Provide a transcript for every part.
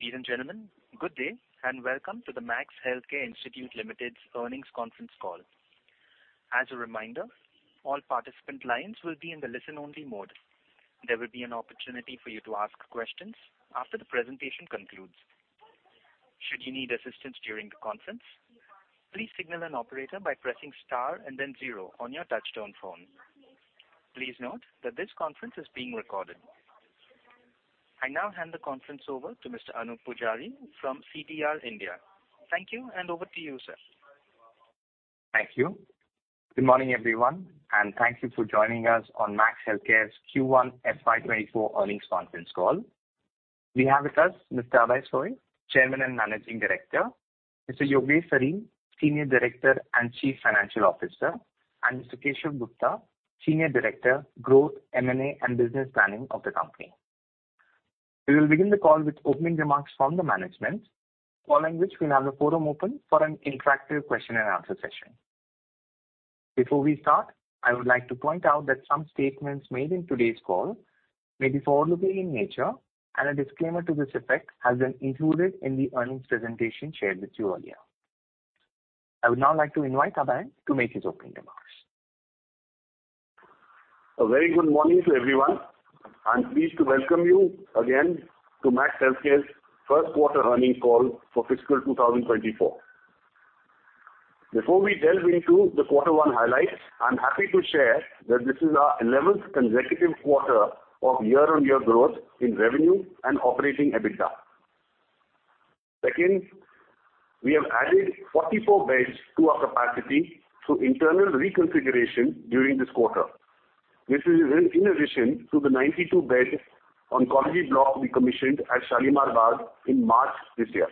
Ladies and gentlemen, good day, and welcome to the Max Healthcare Institute Limited's earnings conference call. As a reminder, all participant lines will be in the listen-only mode. There will be an opportunity for you to ask questions after the presentation concludes. Should you need assistance during the conference, please signal an operator by pressing Star and then zero on your touchtone phone. Please note that this conference is being recorded. I now hand the conference over to Mr. Anoop Pujari from CDR India. Thank you, and over to you, sir. Thank you. Good morning, everyone, and thank you for joining us on Max Healthcare's Q1 FY 2024 earnings conference call. We have with us Mr. Abhay Soi, Chairman and Managing Director, Mr. Yogesh Sarin, Senior Director and Chief Financial Officer, and Mr. Keshav Gupta, Senior Director, Growth, M&A, and Business Planning of the company. We will begin the call with opening remarks from the management, following which we'll have the forum open for an interactive question and answer session. Before we start, I would like to point out that some statements made in today's call may be forward-looking in nature, and a disclaimer to this effect has been included in the earnings presentation shared with you earlier. I would now like to invite Abhay to make his opening remarks. A very good morning to everyone. I'm pleased to welcome you again to Max Healthcare's first quarter earnings call for fiscal 2024. Before we delve into the quarter one highlights, I'm happy to share that this is our 11th consecutive quarter of year-on-year growth in revenue and operating EBITDA. Second, we have added 44 beds to our capacity through internal reconfiguration during this quarter, which is in addition to the 92-bed oncology block we commissioned at Shalimar Bagh in March this year.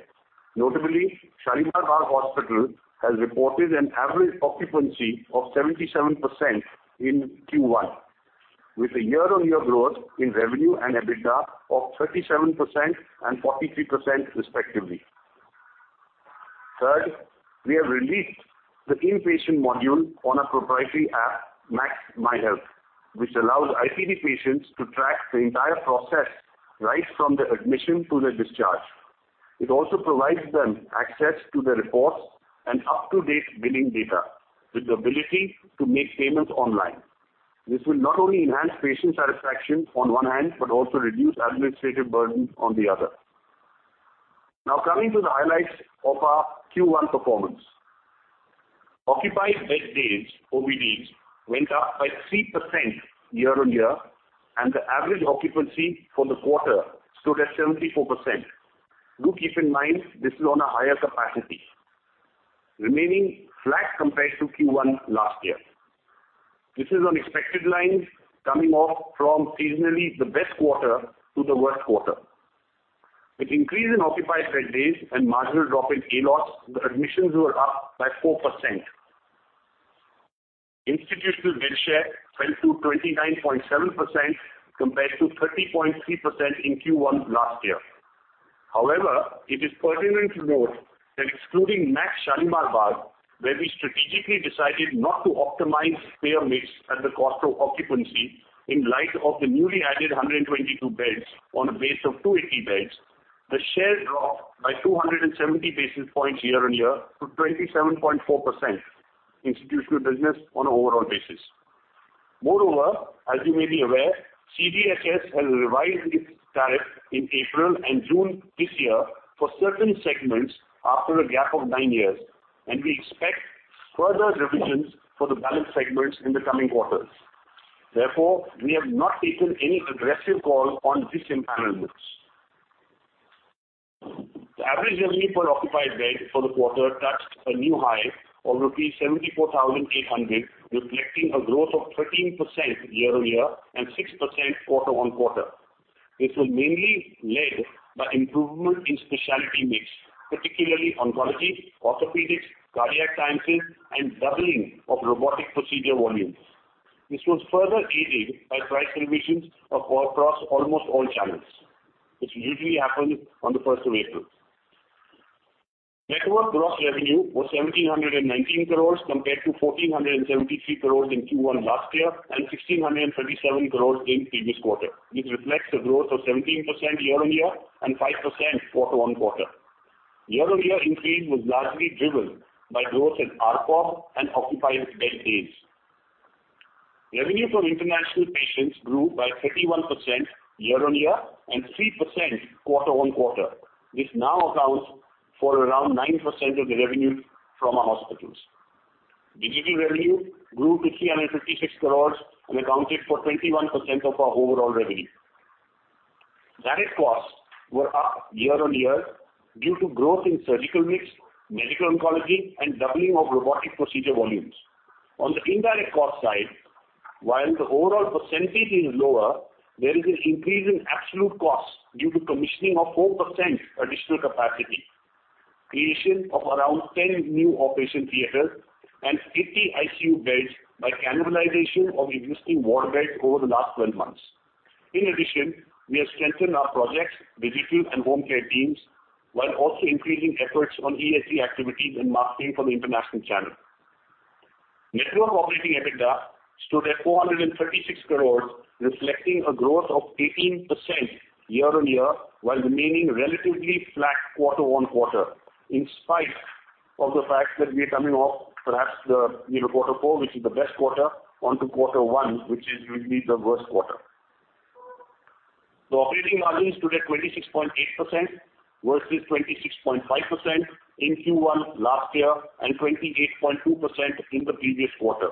Notably, Shalimar Bagh Hospital has reported an average occupancy of 77% in Q1, with a year-on-year growth in revenue and EBITDA of 37% and 43%, respectively. Third, we have released the inpatient module on our proprietary app, Max MyHealth, which allows IPD patients to track the entire process right from their admission to their discharge. It also provides them access to their reports and up-to-date billing data, with the ability to make payments online. This will not only enhance patient satisfaction on one hand, but also reduce administrative burden on the other. Coming to the highlights of our Q1 performance. Occupied bed days, OBDs, went up by 3% year-on-year, and the average occupancy for the quarter stood at 74%. Do keep in mind this is on a higher capacity, remaining flat compared to Q1 last year. This is on expected lines, coming off from seasonally the best quarter to the worst quarter. With increase in occupied bed days and marginal drop in ALOS, the admissions were up by 4%. Institutional bed share fell to 29.7%, compared to 30.3% in Q1 last year. It is pertinent to note that excluding Max Shalimar Bagh, where we strategically decided not to optimize payer mix at the cost of occupancy in light of the newly added 122 beds on a base of 280 beds, the share dropped by 270 basis points year-on-year to 27.4% institutional business on an overall basis. As you may be aware, CGHS has revised its tariff in April and June this year for certain segments after a gap of 9 years, and we expect further revisions for the balance segments in the coming quarters. We have not taken any aggressive call on this impairments. The average revenue per occupied bed for the quarter touched a new high of rupees 74,800, reflecting a growth of 13% year-on-year and 6% quarter-on-quarter. This was mainly led by improvement in specialty mix, particularly oncology, orthopedics, cardiac sciences, and doubling of robotic procedure volumes. This was further aided by price revisions across almost all channels, which usually happen on the first of April. Network gross revenue was 1,719 crore, compared to 1,473 crore in Q1 last year, and 1,637 crore in previous quarter, which reflects a growth of 17% year-on-year and 5% quarter-on-quarter. Year-on-year increase was largely driven by growth in ARPOB and occupied bed days. Revenue from international patients grew by 31% year-on-year and 3% quarter-on-quarter, which now accounts for around 9% of the revenue from our hospitals. Digital revenue grew to 356 crore and accounted for 21% of our overall revenue. Direct costs were up year-on-year due to growth in surgical mix, medical oncology, and doubling of robotic procedure volumes. On the indirect cost side, while the overall percentage is lower, there is an increase in absolute costs due to commissioning of 4% additional capacity, creation of around 10 new operation theaters, and 50 ICU beds by cannibalization of existing ward beds over the last 12 months. In addition, we have strengthened our projects, digital, and home care teams, while also increasing efforts on ESG activities and marketing for the international channel. Network operating EBITDA stood at 436 crore, reflecting a growth of 18% year-on-year, while remaining relatively flat quarter-on-quarter, in spite of the fact that we are coming off perhaps the, you know, quarter four, which is the best quarter, onto quarter one, which is usually the worst quarter. The operating margin stood at 26.8%, versus 26.5% in Q1 last year, and 28.2% in the previous quarter.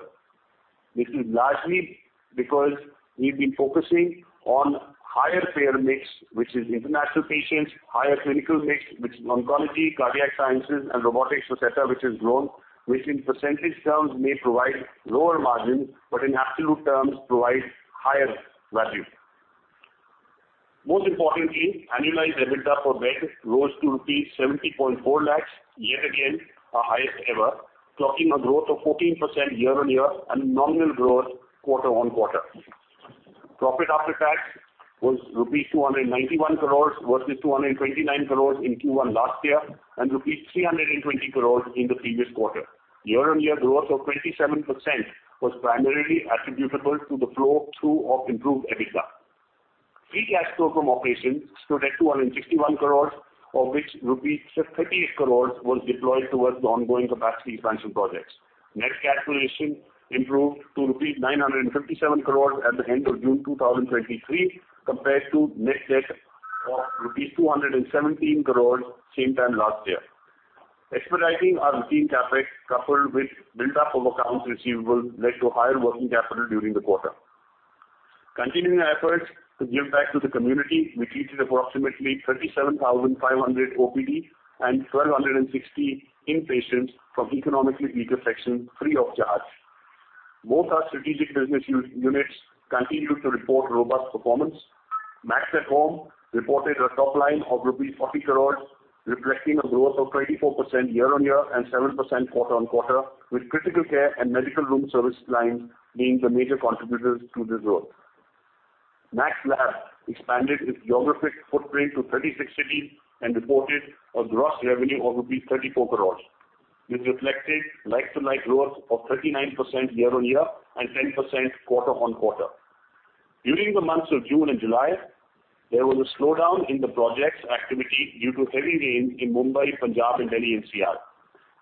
This is largely because we've been focusing on higher payer mix, which is international patients, higher clinical mix, which is oncology, cardiac sciences, and robotics, et cetera, which has grown, which in percentage terms may provide lower margins, but in absolute terms, provide higher value. Most importantly, annualized EBITDA per bed rose to rupees 70.4 lakhs, yet again, our highest ever, clocking a growth of 14% year-on-year and nominal growth quarter-on-quarter. Profit after tax was rupees 291 crores, versus 229 crores in Q1 last year, and rupees 320 crores in the previous quarter. Year-on-year growth of 27% was primarily attributable to the flow-through of improved EBITDA. Free cash flow from operations stood at 261 crore, of which rupees 38 crore was deployed towards the ongoing capacity expansion projects. Net cash position improved to rupees 957 crore at the end of June 2023, compared to net debt of rupees 217 crore same time last year. Expediting our routine CapEx, coupled with build-up of accounts receivable, led to higher working capital during the quarter. Continuing our efforts to give back to the community, we treated approximately 37,500 OPD and 1,260 in-patients from economically weaker section, free of charge. Both our strategic business units continued to report robust performance. Max@Home reported a top line of rupees 40 crore, reflecting a growth of 24% year-on-year and 7% quarter-on-quarter, with critical care and medical room service lines being the major contributors to this growth. Max Lab expanded its geographic footprint to 36 cities and reported a gross revenue of 34 crore, which reflected like-to-like growth of 39% year-on-year and 10% quarter-on-quarter. During the months of June and July, there was a slowdown in the projects activity due to heavy rain in Mumbai, Punjab, and Delhi NCR.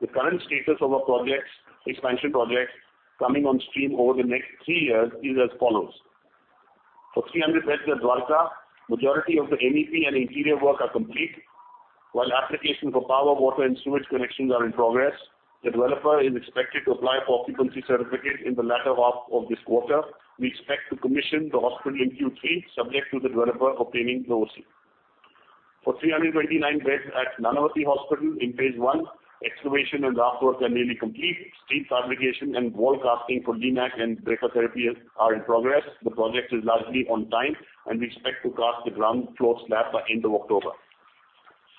The current status of our projects, expansion projects, coming on stream over the next 3 years is as follows: For 300 beds at Dwarka, majority of the MEP and interior work are complete, while application for power, water, and sewage connections are in progress. The developer is expected to apply for occupancy certificate in the latter half of this quarter. We expect to commission the hospital in Q3, subject to the developer obtaining the OC. For 329 beds at Nanavati Hospital in Phase One, excavation and raft work are nearly complete. Sleeve fabrication and wall casting for DMAC and brachytherapy are in progress. The project is largely on time, and we expect to cast the ground floor slab by end of October.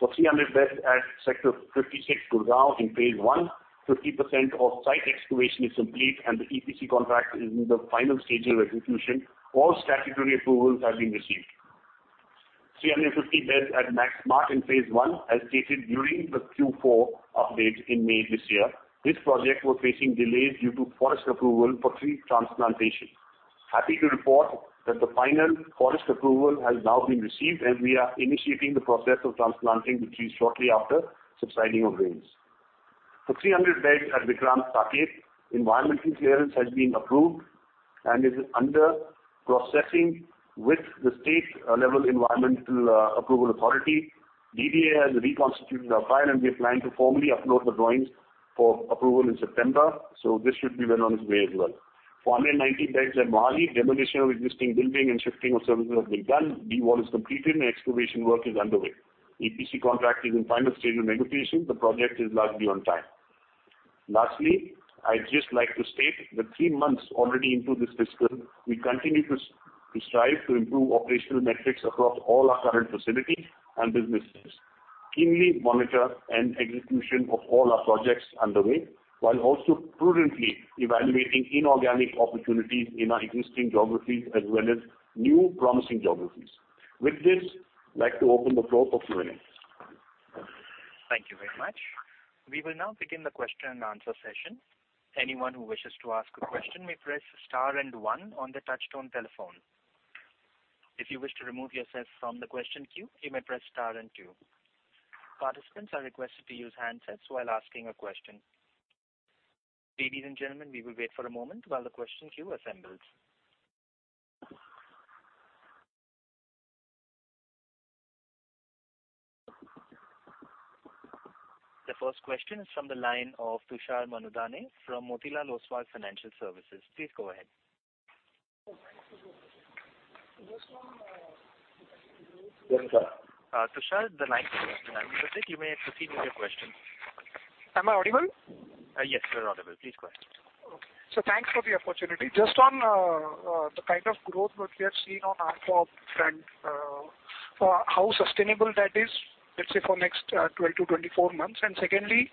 For 300 beds at Sector 56, Gurgaon, in Phase One, 50% of site excavation is complete, and the EPC contract is in the final stage of execution. All statutory approvals have been received. 350 beds at Max Smart in Phase One, as stated during the Q4 update in May this year, this project was facing delays due to forest approval for tree transplantation. Happy to report that the final forest approval has now been received, and we are initiating the process of transplanting the trees shortly after subsiding of rains. For 300 beds at Vikram Saket, environmental clearance has been approved and is under processing with the state level environmental approval authority. DDA has reconstituted our file, and we are planning to formally upload the drawings for approval in September, so this should be well on its way as well. For 190 beds at Mohali, demolition of existing building and shifting of services have been done. D-wall is completed, and excavation work is underway. EPC contract is in final stage of negotiation. The project is largely on time. Lastly, I'd just like to state that 3 months already into this fiscal, we continue to strive to improve operational metrics across all our current facilities and businesses, keenly monitor and execution of all our projects underway, while also prudently evaluating inorganic opportunities in our existing geographies as well as new promising geographies. With this, I'd like to open the floor for Q&A. Thank you very much. We will now begin the question and answer session. Anyone who wishes to ask a question may press star and one on the touchtone telephone. If you wish to remove yourself from the question queue, you may press star and two. Participants are requested to use handsets while asking a question. Ladies and gentlemen, we will wait for a moment while the question queue assembles. The first question is from the line of Tushar Manudhane from Motilal Oswal Financial Services. Please go ahead. Yes. Tushar, the line is not muted. You may proceed with your question. Am I audible? Yes, you're audible. Please go ahead. Thanks for the opportunity. Just on the kind of growth which we have seen on ARPOB front, how sustainable that is, let's say, for next 12-24 months? Secondly,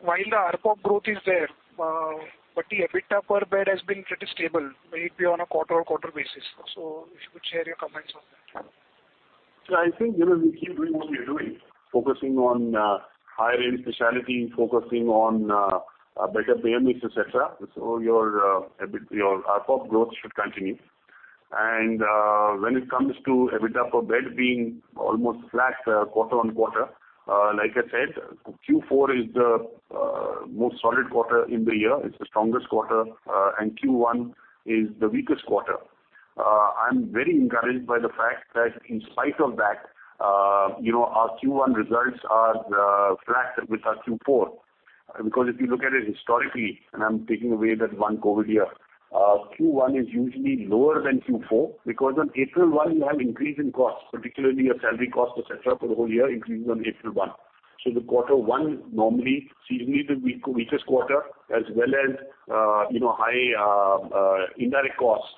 while the ARPOB growth is there, but the EBITDA per bed has been pretty stable, maybe on a quarter-on-quarter basis. If you could share your comments on that. I think, you know, we keep doing what we're doing, focusing on higher end specialty, focusing on a better payer mix, et cetera. Your ARPOB growth should continue. When it comes to EBITDA per bed being almost flat quarter-on-quarter, like I said, Q4 is the most solid quarter in the year. It's the strongest quarter, and Q1 is the weakest quarter. I'm very encouraged by the fact that in spite of that, you know, our Q1 results are flat with our Q4. Because if you look at it historically, and I'm taking away that 1 COVID year, Q1 is usually lower than Q4, because on April 1, you have increase in costs, particularly your salary costs, et cetera, for the whole year, increases on April 1. The quarter one, normally, seems to be the weakest quarter, as well as, you know, high indirect costs,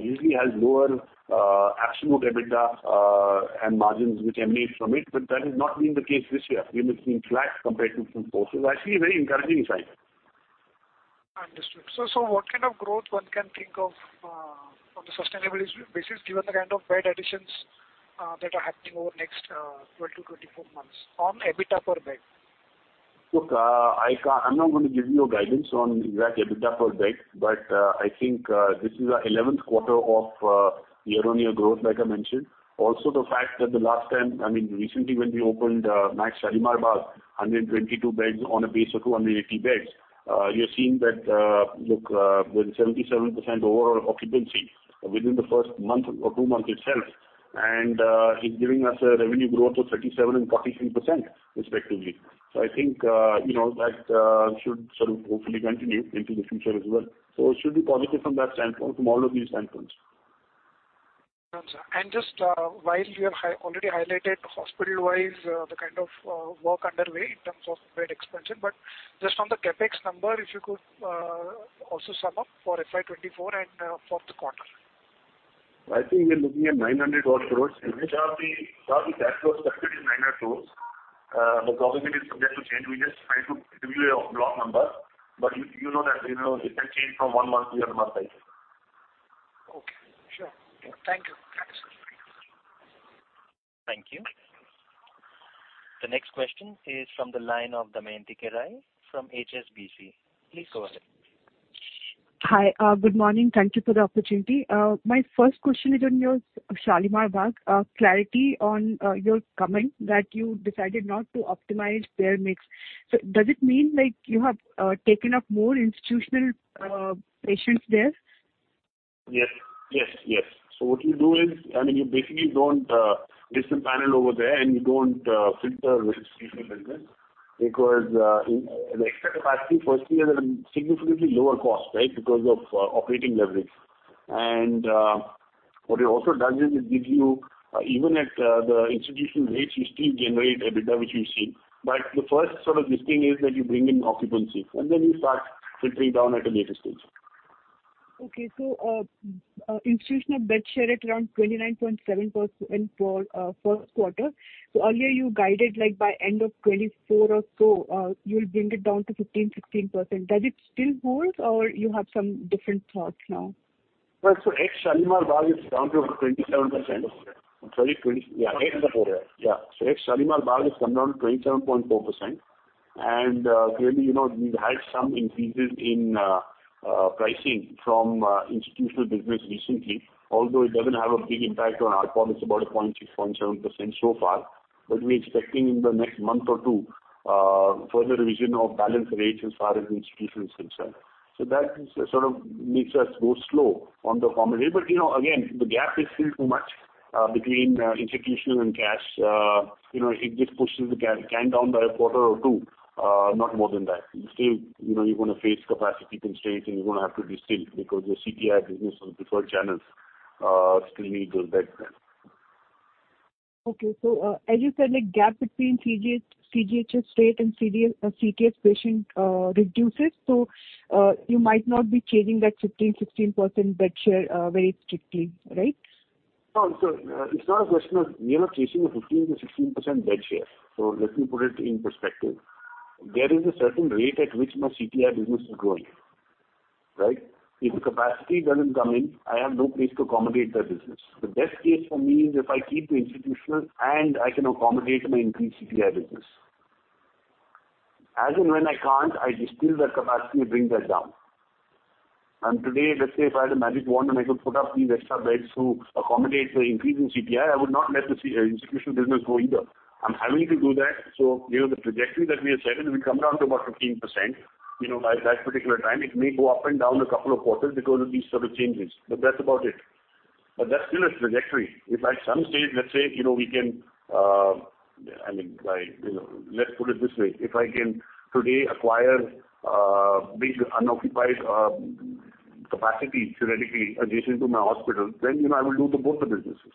usually has lower absolute EBITDA and margins which emanate from it, but that has not been the case this year. We have been flat compared to Q4. I see a very encouraging sign. Understood. So what kind of growth one can think of, on the sustainability basis, given the kind of bed additions, that are happening over the next 12 to 24 months on EBITDA per bed? Look, I can't-- I'm not going to give you a guidance on exact EBITDA per bed, but I think this is our 11th quarter of year-on-year growth, like I mentioned. The fact that the last time, I mean, recently, when we opened Max Shalimar Bagh, 122 beds on a base of 280 beds, you're seeing that, look, with 77% overall occupancy within the first month or two months itself, and it's giving us a revenue growth of 37 and 43%, respectively. I think, you know, that should sort of hopefully continue into the future as well. It should be positive from that standpoint, from all of these standpoints. Just, while you have already highlighted hospital-wise, the kind of, work underway in terms of bed expansion, but just from the CapEx number, if you could, also sum up for FY 2024 and, for the quarter? I think we're looking at 900 odd crores. In which are the, are the CapEx was expected in 9 odd crores. Obviously, it is subject to change. We're just trying to give you a block number, but you, you know that, you know, it can change from one month to another month, I think. Okay, sure. Thank you. Thank you. The next question is from the line of Damayanti Kerai from HSBC. Please go ahead. Hi, good morning. Thank you for the opportunity. My first question is on your Shalimar Bagh, clarity on your comment that you decided not to optimize payer mix. Does it mean, like, you have taken up more institutional patients there? Yes. Yes, yes. What you do is, I mean, you basically don't, do some panel over there, and you don't, filter with institutional business, because, the extra capacity, firstly, has a significantly lower cost, right? Because of, operating leverage. What it also does is, it gives you, even at, the institutional rates, you still generate EBITDA, which you've seen. The first sort of listing is that you bring in occupancy, and then you start filtering down at a later stage. Okay. Institutional bed share at around 29.7% for, first quarter. Earlier, you guided, like, by end of 2024 or so, you'll bring it down to 15%-16%. Does it still hold, or you have some different thoughts now? Well, ex Shalimar Bagh, it's down to around 27%. Sorry, end of the quarter. Ex Shalimar Bagh, it's come down to 27.4%. Clearly, you know, we've had some increases in pricing from institutional business recently, although it doesn't have a big impact on ARPOB, it's about a 0.6-0.7% so far. We're expecting in the next month or two, further revision of balance rates as far as institutions are concerned. That sort of makes us go slow on the formula. You know, again, the gap is still too much between institutional and cash. You know, it just pushes the can down by a quarter or two, not more than that. Still, you know, you're going to face capacity constraints, and you're going to have to be still, because your CTI business or preferred channels, still need those beds. Okay. As you said, like, gap between CGH, CGHS rate and CDL, CTAS patient, reduces, so, you might not be changing that 15%, 16% bed share, very strictly, right? It's not a question of we are not chasing a 15%-16% bed share. Let me put it in perspective. There is a certain rate at which my CTI business is growing, right? If the capacity doesn't come in, I have no place to accommodate that business. The best case for me is if I keep the institutional and I can accommodate my increased CTI business. As and when I can't, I distill that capacity and bring that down. Today, let's say, if I had a magic wand, and I could put up these extra beds to accommodate the increase in CTI, I would not let the institutional business go either. I'm having to do that, you know, the trajectory that we have set, it will come down to about 15%, you know, by that particular time. It may go up and down a couple of quarters because of these sort of changes, but that's about it. That's still a trajectory. If at some stage, let's say, you know, we can, I mean, like, you know, let's put it this way: If I can today acquire, big unoccupied, capacity, theoretically, adjacent to my hospital, then, you know, I will do the both the businesses.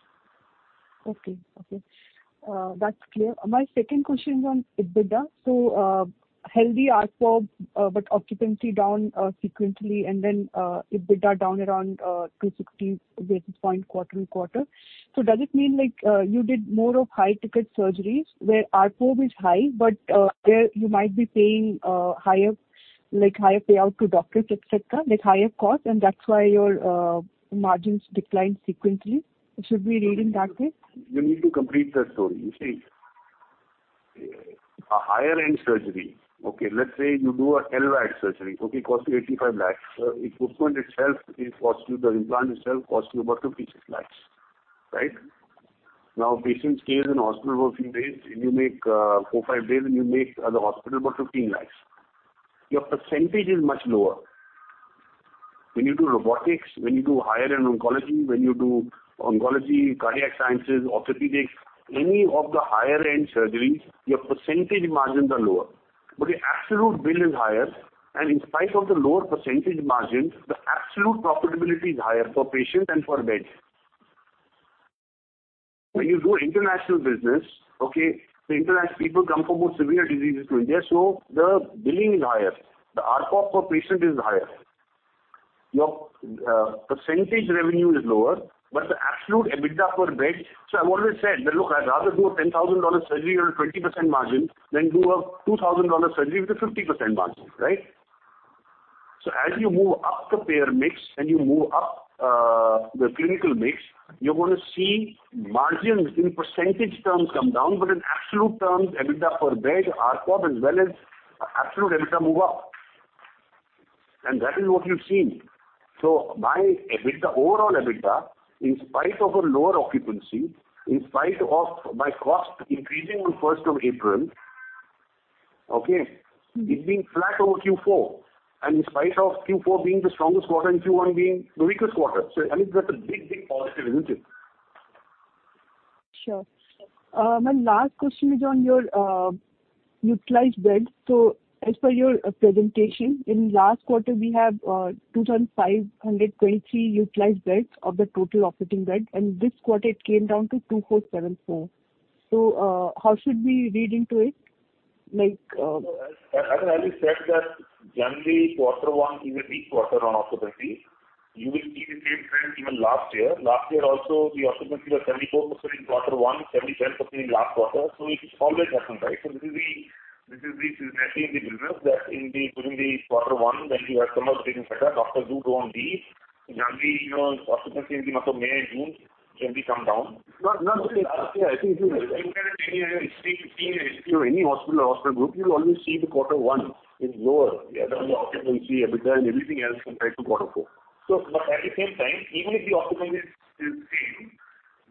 Okay. Okay, that's clear. My second question is on EBITDA. healthy ARPOB, but occupancy down sequentially, and then EBITDA down around 260 basis points, quarter-on-quarter. Does it mean, like, you did more of high-ticket surgeries, where ARPOB is high, but where you might be paying higher, like, higher payout to doctors, et cetera, like, higher cost, and that's why your margins declined sequentially? It should be read in that way? You need to complete the story. A higher-end surgery, okay, let's say you do a LVAD surgery, okay, cost you 85 lakhs. Equipment itself it costs you, the implant itself costs you about 56 lakhs, right? Patient stays in hospital for a few days, and you make, four, five days, and you make at the hospital about 15 lakhs. Your percentage is much lower. When you do robotics, when you do higher-end oncology, when you do oncology, cardiac sciences, orthopedics, any of the higher-end surgeries, your percentage margins are lower, but the absolute bill is higher, and in spite of the lower percentage margins, the absolute profitability is higher for patients and for beds. When you do international business, okay, the international people come for more severe diseases to India, so the billing is higher, the RPOF per patient is higher. Your percentage revenue is lower, but the absolute EBITDA per bed. I've always said that, look, I'd rather do a $10,000 surgery on a 20% margin than do a $2,000 surgery with a 50% margin, right? As you move up the payer mix and you move up, the clinical mix, you're going to see margins in percentage terms come down, but in absolute terms, EBITDA per bed, RPOF, as well as absolute EBITDA move up. That is what you've seen. My EBITDA, overall EBITDA, in spite of a lower occupancy, in spite of my cost increasing on 1st of April, okay, it's been flat over Q4, and in spite of Q4 being the strongest quarter and Q1 being the weakest quarter. I mean, that's a big, big positive, isn't it? Sure. My last question is on your utilized beds. As per your presentation, in last quarter, we have 2,523 utilized beds of the total operating bed, and this quarter it came down to 2,474. How should we read into it? As I already said, that generally quarter one is a weak quarter on occupancy. You will see the same trend even last year. Last year also, the occupancy was 74% in quarter one, 70-10% in last quarter. It always happens, right? This is the, this is the seasonality in the business, that in the, during the quarter one, when you have summer getting better, doctors do go on leave. Generally, you know, occupancy in the month of May and June tends to come down. Not, not just last year, I think if you look at any other history, seen a history of any hospital or hospital group, you'll always see the quarter one is lower. The occupancy, EBITDA, and everything else compared to quarter four. But at the same time, even if the occupancy is same,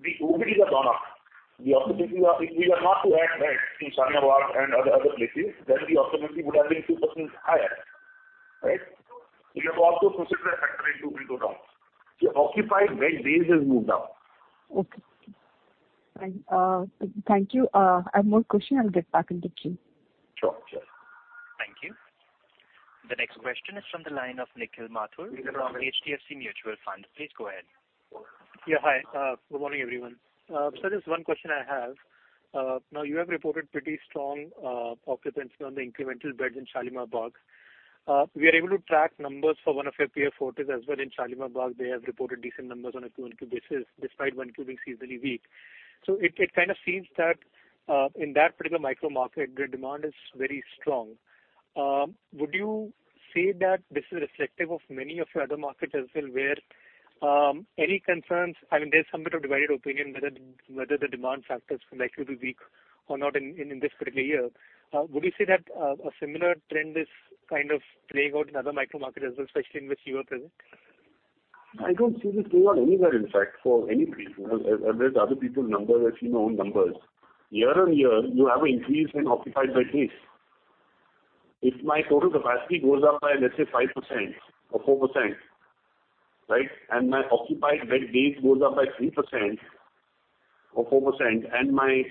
the OBs are gone up. The occupancy If we were not to add beds in Shalimar Bagh and other, other places, then the occupancy would have been 2% higher, right? You have to also consider that factor into bill down. Your Occupied bed days has moved up. Okay. Fine, thank you. I have more question. I'll get back into queue. Sure, sure. Thank you. The next question is from the line of Nikhil Mathur from HDFC Mutual Fund. Please go ahead. Yeah, hi. Good morning, everyone. Just one question I have. Now, you have reported pretty strong occupancy on the incremental beds in Shalimar Bagh. We are able to track numbers for one of your peer Fortis as well in Shalimar Bagh. They have reported decent numbers on a Q1Q basis, despite one Q being seasonally weak. It kind of seems that in that particular micro market, the demand is very strong. Would you say that this is reflective of many of your other markets as well, where, I mean, there's some bit of divided opinion whether the, whether the demand factors from next will be weak or not in, in, in this particular year? Would you say that a similar trend is kind of playing out in other micro markets as well, especially in which you are present? I don't see this play out anywhere, in fact, for any people. I've read other people's numbers, I've seen our own numbers. year-on-year, you have an increase in occupied bed days. If my total capacity goes up by, let's say, 5% or 4%, right, and my occupied bed days goes up by 3% or 4%, and my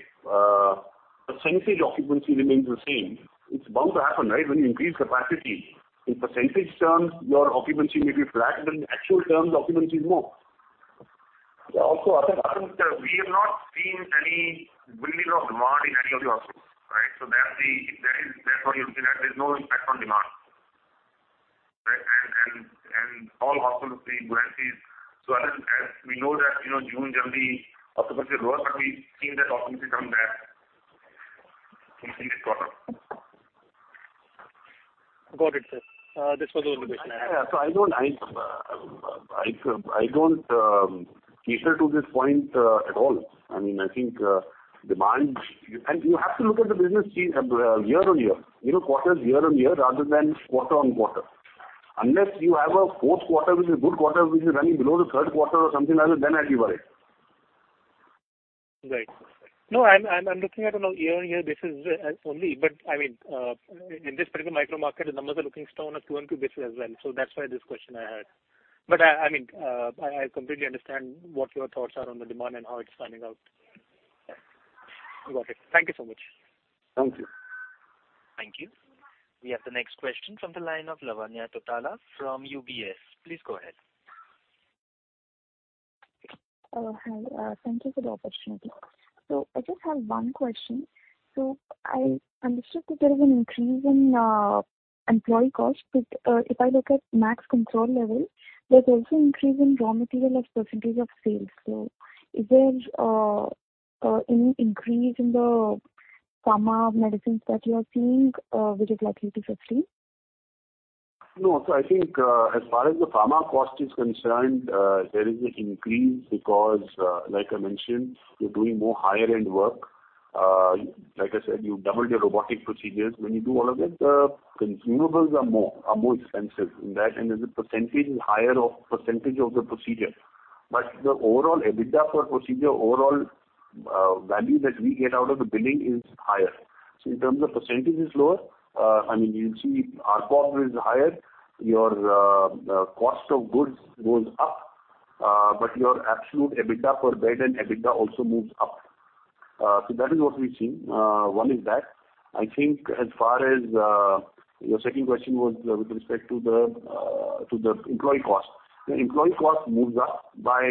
percentage occupancy remains the same, it's bound to happen, right? When you increase capacity, in percentage terms, your occupancy may be flat, but in actual terms, the occupancy is more. There are also other factors, we have not seen any building of demand in any of the hospitals, right? That's what you're looking at. There's no impact on demand, right? All hospitals are seeing variances. As we know that, you know, June, generally, occupancy is lower, but we've seen that occupancy come back in the previous quarter. Got it, sir. This was all the question I had. Yeah, I don't, I, I, I don't, cater to this point, at all. I mean, I think, demand-- You have to look at the business scene year-on-year, you know, quarters year-on-year rather than quarter-on-quarter. Unless you have a fourth quarter, which is a good quarter, which is running below the third quarter or something like that, then I'd worry. Right. No, I'm looking at it on a year-over-year basis only, but I mean, in this particular micro market, the numbers are looking strong on a quarter-over-quarter basis as well. That's why this question I had. But I mean, I completely understand what your thoughts are on the demand and how it's panning out. Got it. Thank you so much. Thank you. Thank you. We have the next question from the line of Lavanya Tottala from UBS. Please go ahead. Hi, thank you for the opportunity. I just have one question. I understood that there is an increase in employee cost, but if I look at Max control level, there's also increase in raw material as percentage of sales. Is there any increase in the pharma medicines that you are seeing, which is likely to sustain?... I think, as far as the pharma cost is concerned, there is an increase because, like I mentioned, you're doing more higher-end work. Like I said, you've doubled your robotic procedures. When you do all of that, the consumables are more expensive, and that, and the percent is higher percent of the procedure. The overall EBITDA for procedure, overall, value that we get out of the billing is higher. In terms of percent, it's lower. You'll see ARPO is higher, your, cost of goods goes up, your absolute EBITDA per bed and EBITDA also moves up. That is what we've seen. One is that. As far as, your second question was with respect to the, to the employee cost. The employee cost moves up by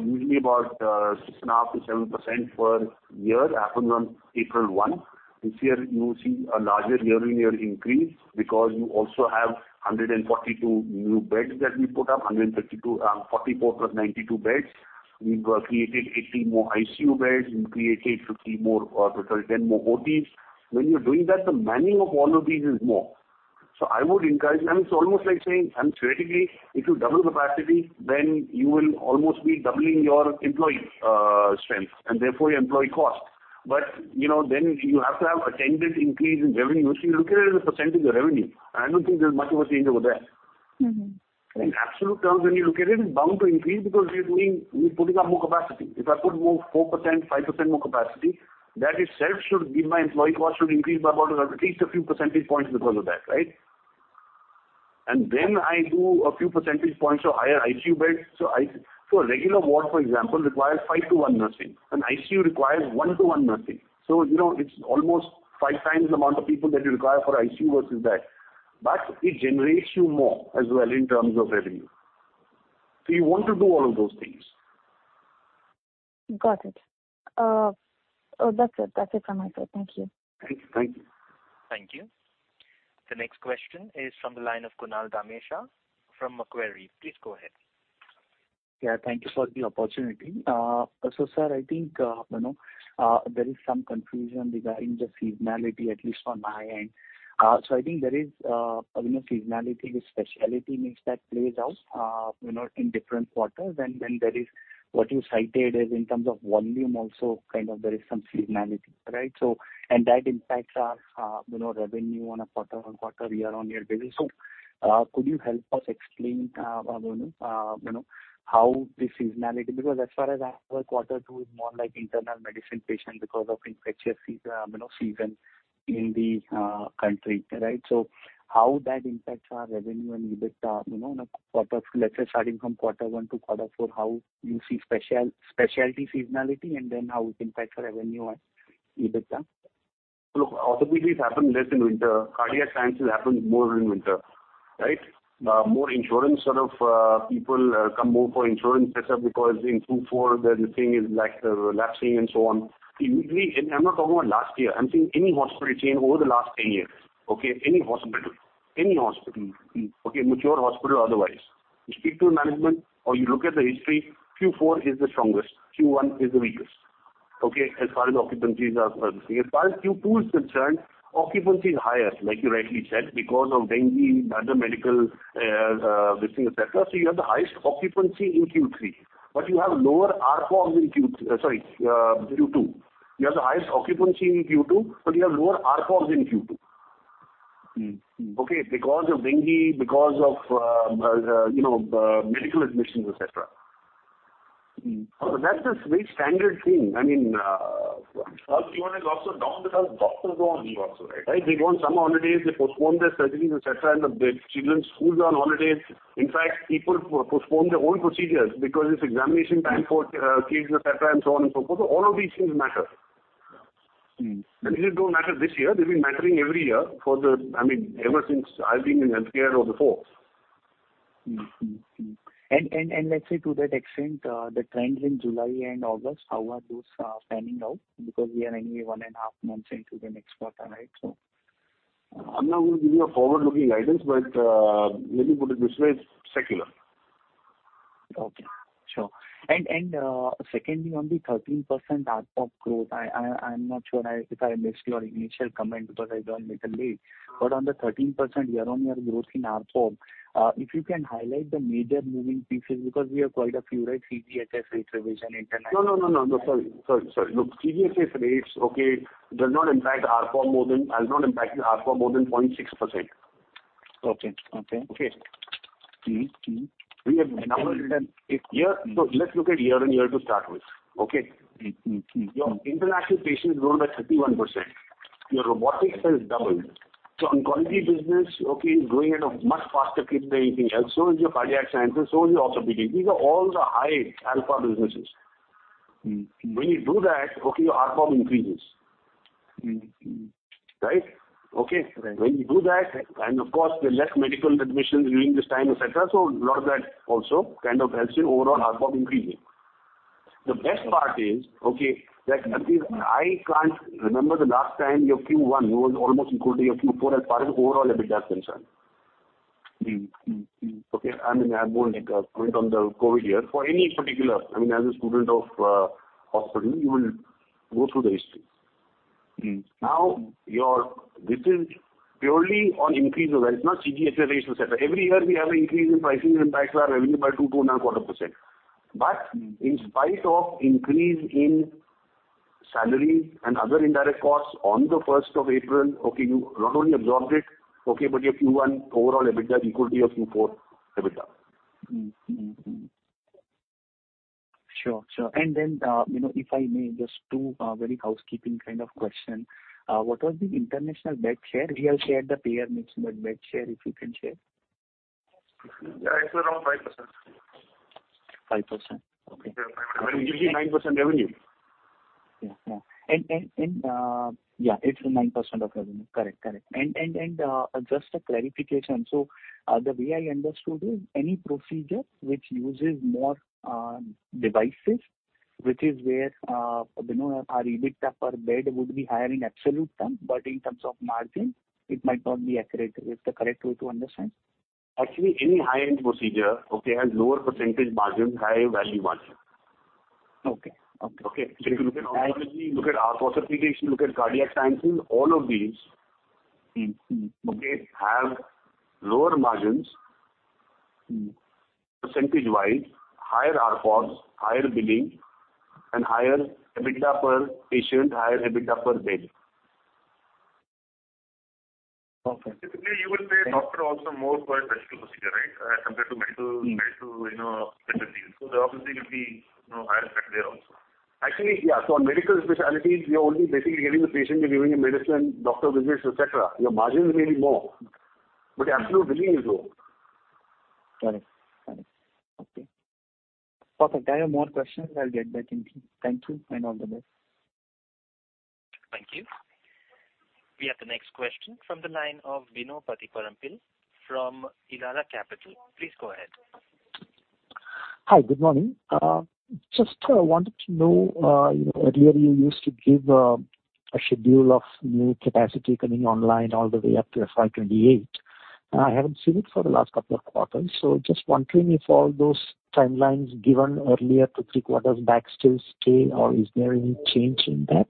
usually about 6.5%-7% per year, happens on April 1. This year, you will see a larger year-on-year increase because you also have 142 new beds that we put up, 152, 44 plus 92 beds. We've created 80 more ICU beds. We've created 50 more, total 10 more OTs. When you're doing that, the manning of all of these is more. I would encourage-- It's almost like saying, theoretically, if you double capacity, then you will almost be doubling your employee strength, and therefore your employee cost. You know, then you have to have attendant increase in revenue. You see, look at it as a percentage of revenue. I don't think there's much of a change over there. Mm-hmm. In absolute terms, when you look at it, it's bound to increase because we're doing we're putting up more capacity. If I put more 4%, 5% more capacity, that itself should give my employee cost should increase by about at least a few percentage points because of that, right? Then I do a few percentage points of higher ICU beds. So a regular ward, for example, requires 5-1 nursing. An ICU requires 1-1 nursing. You know, it's almost 5 times the amount of people that you require for ICU versus that, but it generates you more as well in terms of revenue. You want to do all of those things. Got it. Oh, that's it. That's it from my side. Thank you. Thank you. Thank you. The next question is from the line of Kunal Dhamecha from Macquarie. Please go ahead. Yeah, thank you for the opportunity. So, sir, I think, you know, there is some confusion regarding the seasonality, at least on my end. So I think there is, you know, seasonality, the specialty mix that plays out, you know, in different quarters, and then there is what you cited as in terms of volume, also, kind of, there is some seasonality, right? That impacts our, you know, revenue on a quarter-on-quarter, year-on-year basis. Could you help us explain, you know, you know, how the seasonality... Because as far as I know, Q2 is more like internal medicine patient because of infectious season, you know, season in the country, right? How that impacts our revenue and EBITDA, you know, quarter, let's say, starting from Q1 to Q4, how you see specialty seasonality, and then how it impacts our revenue and EBITDA? Look, orthopedics happen less in winter, cardiac sciences happen more in winter, right? More insurance sort of people come more for insurance better because in Q4, the, the thing is, like, lapsing and so on. I'm not talking about last year, I'm saying any hospital chain over the last 10 years, okay? Any hospital, any hospital, okay, mature hospital, otherwise. You speak to a management or you look at the history, Q4 is the strongest, Q1 is the weakest, okay, as far as the occupancies are concerned. As far as Q2 is concerned, occupancy is highest, like you rightly said, because of dengue, other medical, this thing, et cetera. You have the highest occupancy in Q3, but you have lower ARPOBs in Q2. You have the highest occupancy in Q2, but you have lower ARPOBs in Q2. Mm-hmm. Okay? Because of dengue, because of, you know, medical admissions, et cetera. Mm. That's a very standard thing. I mean, Q1 is also down because doctors are on leave also, right? They go on summer holidays, they postpone their surgeries, et cetera, and the children's schools are on holidays. In fact, people postpone their own procedures because it's examination time for kids, et cetera, and so on and so forth. All of these things matter. Mm. These don't matter this year. They've been mattering every year for the... I mean, ever since I've been in healthcare or before. Mm-hmm. Mm. Let's say to that extent, the trends in July and August, how are those panning out? Because we are anyway 1.5 months into the next quarter, right, so. I'm not going to give you a forward-looking guidance, but, let me put it this way, it's secular. Okay. Sure. Secondly, on the 13% ARPOB growth, I, I, I'm not sure if I missed your initial comment because I joined little late. On the 13% year-on-year growth in ARPOB, if you can highlight the major moving pieces, because we have quite a few, right? CGHS, rate revision, international- No, no, no, no, sorry, sorry, sorry. Look, CGHS rates, okay, has not impacted ARPOB more than 0.6%. Okay. Okay. Okay? Mm-hmm. Mm-hmm. We have number return. Here, let's look at year-on-year to start with, okay? Mm-hmm. Your international patients grown by 31%. Your robotics has doubled. Oncology business, okay, is growing at a much faster clip than anything else. So is your cardiac sciences, so is your orthopedics. These are all the high alpha businesses. Mm. When you do that, okay, your ARPOB increases. Mm-hmm. Right? Okay. Right. When you do that, of course, the less medical admissions during this time, et cetera, a lot of that also kind of helps your overall ARPOB increasing. The best part is, okay, that I can't remember the last time your Q1 was almost equal to your Q4 as far as the overall EBITDA is concerned. Mm-hmm. Mm-hmm. Okay, I mean, I'm going, like, apart from the COVID year, for any particular, I mean, as a student of hospital, you will go through the history. Mm-hmm. Your, this is purely on increase over, it's not CGHS ratio, et cetera. Every year, we have an increase in pricing that impacts our revenue by 2% to 2.25%. In spite of increase in salary and other indirect costs on the 1st of April, you not only absorbed it, but your Q1 overall EBITDA is equal to your Q4 EBITDA. Mm, mm, mm. Sure, sure. Then, you know, if I may, just 2, very housekeeping kind of question. What was the international bed share? We have shared the payer mix, but bed share, if you can share? It's around 5%. 5%? Okay. Yeah, 5. I mean, it gives you 9% revenue. Yeah, yeah. Yeah, it's 9% of revenue. Correct, correct. Just a clarification. The way I understood is, any procedure which uses more devices, which is where, you know, our EBITDA per bed would be higher in absolute terms, but in terms of margin, it might not be accurate. Is the correct way to understand? Actually, any high-end procedure, okay, has lower % margin, higher value margin. Okay, okay. Okay? If you look at oncology, look at orthopedic, look at cardiac stenting, all of these- Mm-hmm. Okay, have lower margins. Mm. percentage-wise, higher RPOF, higher billing, and higher EBITDA per patient, higher EBITDA per bed. Okay. Typically, you will pay a doctor also more for a surgical procedure, right? Compared to medical, you know, specialties. There obviously will be, you know, higher effect there also. Actually, yeah, on medical specialties, we are only basically getting the patient, we're giving a medicine, doctor visits, et cetera. Your margins will be more, but absolute billing is low. Got it. Got it. Okay. Perfect, I have more questions. I'll get back in queue. Thank you, and all the best. Thank you. We have the next question from the line of Bino Pathiparampil from Elara Capital. Please go ahead. Hi, good morning. Just wanted to know, you know, earlier you used to give a schedule of new capacity coming online all the way up to FY 2028. I haven't seen it for the last couple of quarters, so just wondering if all those timelines given earlier, two, three quarters back, still stay, or is there any change in that?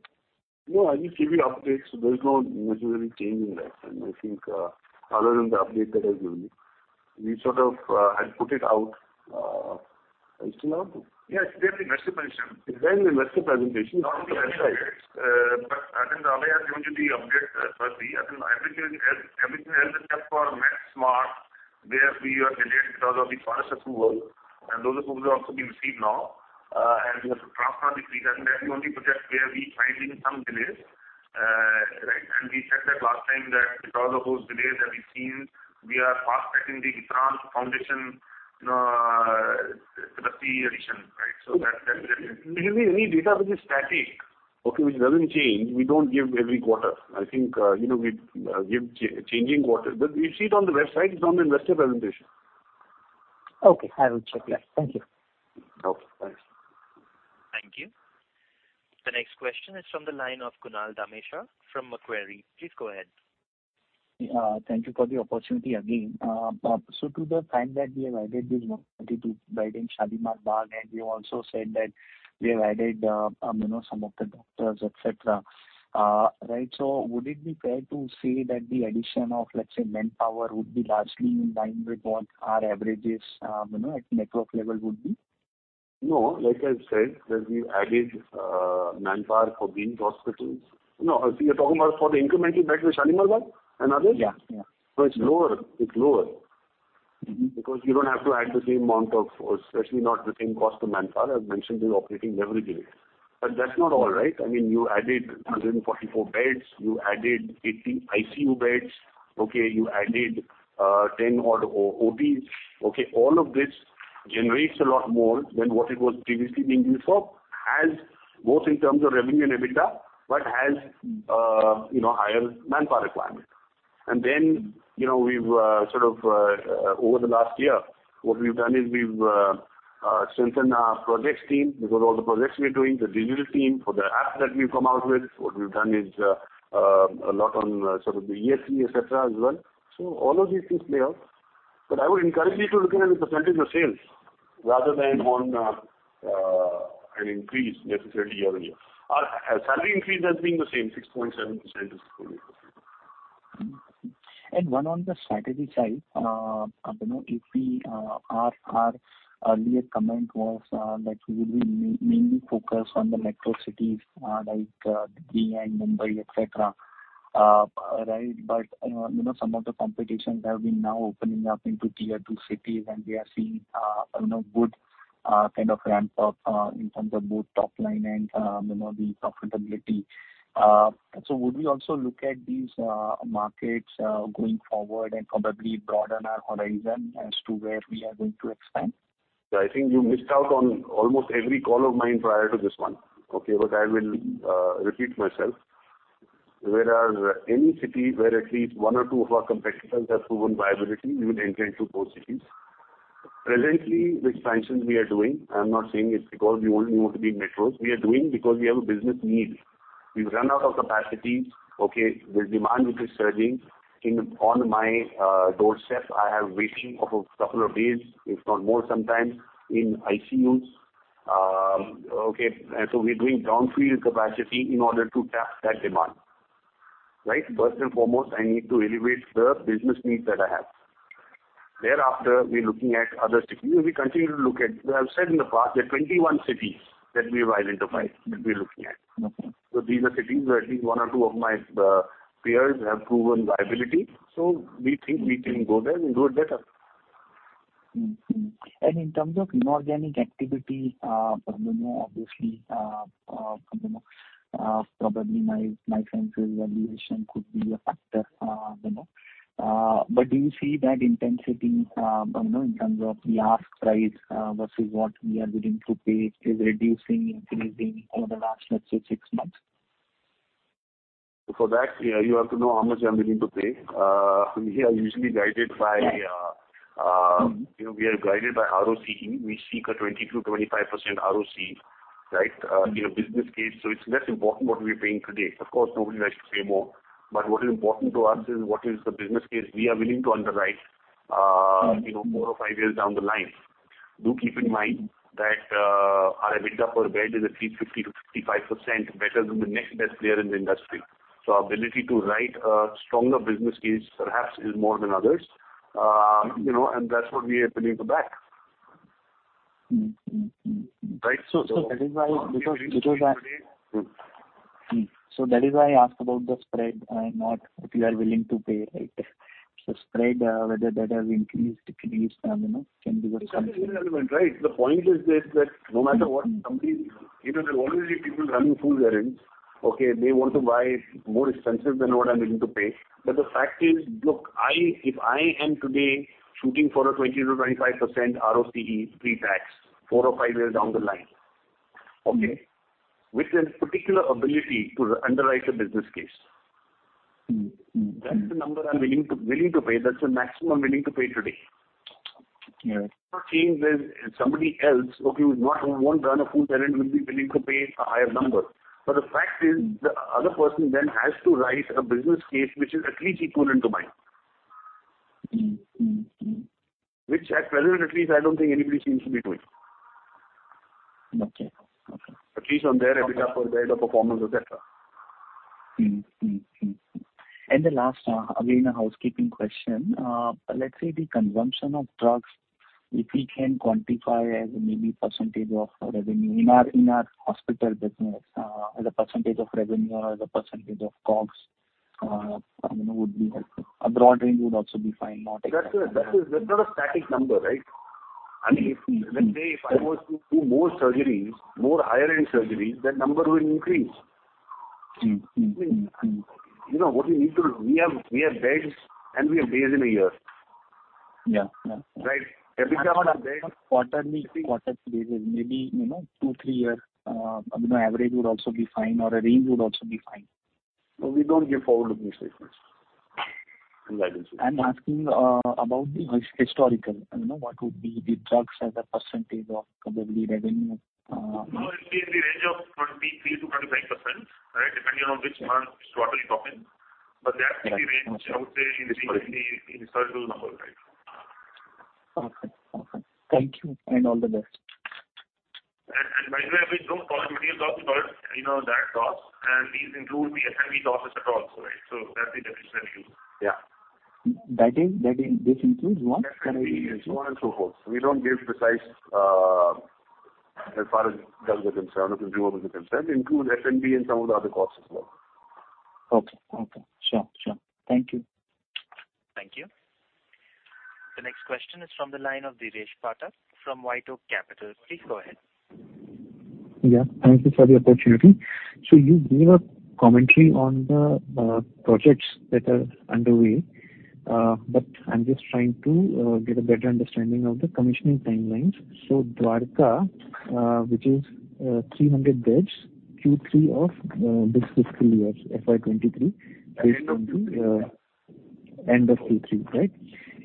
No, I just give you updates, so there's no necessarily change in that. I think, other than the update that I've given you, we sort of, had put it out. Are you still out? Yeah, it's there in the investor presentation. It's there in the investor presentation. I think Abhay has given you the update, firstly. I think everything else, everything else except for Max Smart, where we are delayed because of the first approval, and those approvals are also been received now. We have to transfer the pre-cut, and that's the only project where we're finding some delays. Right, and we said that last time that because of those delays that we've seen, we are fast-tracking the transformer foundation, the pre-addition, right? Usually, any data which is static, okay, which doesn't change, we don't give every quarter. I think, you know, we give changing quarter. You see it on the website, it's on the investor presentation. Okay, I will check that. Thank you. Okay, thanks. Thank you. The next question is from the line of Kunal Dhamecha from Macquarie. Please go ahead. Thank you for the opportunity again. To the time that we have added this to ride in Shalimar Bagh, and you also said that we have added, you know, some of the doctors, et cetera, right? Would it be fair to say that the addition of, let's say, manpower, would be largely in line with what our averages, you know, at network level would be? No, like I said, that we've added, manpower for these hospitals. No, you're talking about for the incremental beds with Shalimar Bagh and others? Yeah, yeah. It's lower. It's lower. Mm-hmm. You don't have to add the same amount of, or especially not the same cost of manpower. I've mentioned the operating leverage here. That's not all, right? I mean, you added 144 beds, you added 18 ICU beds, okay? You added 10 odd OPs, okay? All of this generates a lot more than what it was previously being used for, as both in terms of revenue and EBITDA, but has, you know, higher manpower requirement. Then, you know, we've, sort of... Over the last year, what we've done is we've strengthened our projects team, because all the projects we're doing, the digital team for the app that we've come out with, what we've done is a lot on, sort of the ESP, et cetera, as well. All of these things play out. I would encourage you to look at it in percentage of sales, rather than on an increase necessarily year-on-year. Our, our salary increase has been the same, 6.7% is- One on the strategy side, you know, if we, our, our earlier comment was, that we will be mainly focused on the metro cities, like, Delhi and Mumbai, et cetera, right? You know, some of the competitions have been now opening up into tier 2 cities, and we are seeing, you know, good, kind of ramp up, in terms of both top line and, you know, the profitability. Would we also look at these, markets, going forward and probably broaden our horizon as to where we are going to expand? I think you missed out on almost every call of mine prior to this one, okay? I will repeat myself. Whereas any city where at least one or two of our competitors have proven viability, we would enter into both cities. Presently, which expansions we are doing, I'm not saying it's because we only want to be in metros. We are doing because we have a business need. We've run out of capacity, okay? The demand, which is surging in, on my doorstep, I have waiting of a couple of days, if not more, sometimes, in ICUs. Okay, we're doing down field capacity in order to tap that demand, right? First and foremost, I need to elevate the business needs that I have. Thereafter, we're looking at other cities. We continue to look at. We have said in the past, there are 21 cities that we have identified, that we're looking at. These are cities where at least one or two of my peers have proven viability. We think we can go there and do it better. Mm-hmm. In terms of inorganic activity, you know, obviously, you know, probably my, my sense is valuation could be a factor, you know. Do you see that intensity, you know, in terms of the ask price, versus what we are willing to pay is reducing, increasing over the last, let's say, 6 months? For that, yeah, you have to know how much I'm willing to pay. We are usually guided by, you know, we are guided by ROCE. We seek a 20%-25% ROCE, right, in a business case. It's less important what we're paying today. Of course, nobody likes to pay more, but what is important to us is what is the business case we are willing to underwrite, you know, four or five years down the line. Do keep in mind that, our EBITDA per bed is at least 50%-55% better than the next best player in the industry. Our ability to write a stronger business case perhaps is more than others. You know, and that's what we are willing to back. Mm-hmm, mm. Right? That is why, because. Mm. That is why I asked about the spread and not what you are willing to pay, right? Spread, whether that has increased, decreased, you know, can be the... It's irrelevant, right? The point is this, that no matter what company, you know, there will always be people running full errands. Okay, they want to buy more expensive than what I'm willing to pay. The fact is... Look, if I am today shooting for a 20%-25% ROCE pre-tax, four or five years down the line, okay, with a particular ability to underwrite a business case- Mm-hmm, mm. That's the number I'm willing to, willing to pay. That's the maximum I'm willing to pay today. Yeah. No change there. Somebody else, okay, who won't run a full errand, will be willing to pay a higher number. The fact is, the other person then has to write a business case which is at least equivalent to mine. Mm-hmm, mm, mm. Which at present, at least, I don't think anybody seems to be doing. Okay. Okay. At least on their EBITDA per bed or performance, et cetera. The last, again, a housekeeping question. Let's say the consumption of drugs, if we can quantify as maybe % of revenue in our, in our hospital business, as a % of revenue or as a % of costs, you know, would be helpful. A broad range would also be fine, not exact. That's not a static number, right? I mean, if, let's say, if I was to do more surgeries, more higher-end surgeries, that number will increase. Mm-hmm, mm. You know, what we need to do, we have, we have beds, and we have days in a year. Yeah. Yeah. Right. EBITDA per bed- Quarterly, quarterly basis, maybe, you know, 2, 3 year, you know, average would also be fine, or a range would also be fine. No, we don't give forward-looking statements, in guidance. I'm asking about the historical, you know, what would be the drugs as a % of probably revenue of? No, it'll be in the range of 23%-25%, right, depending on which month, quarter you're talking. That's the range, I would say, in the, in the surgical number, right? Okay. Okay. Thank you, and all the best. And by the way, we don't call it material costs, but you know, that costs, and these include the F&B costs et al. also, right? That's the definition I use. Yeah. That is, that in, this includes what? Can I- F&B and so on and so forth. We don't give precise, as far as drugs are concerned or consumables are concerned, include F&B and some of the other costs as well. Okay. Okay. Sure. Sure. Thank you. Thank you. The next question is from the line of Dheeresh Pathak from WhiteOak Capital. Please go ahead. Yeah, thank you for the opportunity. You gave a commentary on the projects that are underway, but I'm just trying to get a better understanding of the commissioning timelines. Dwarka, which is 300 beds, Q3 of this fiscal year, FY 2023, based on the end of Q3, right?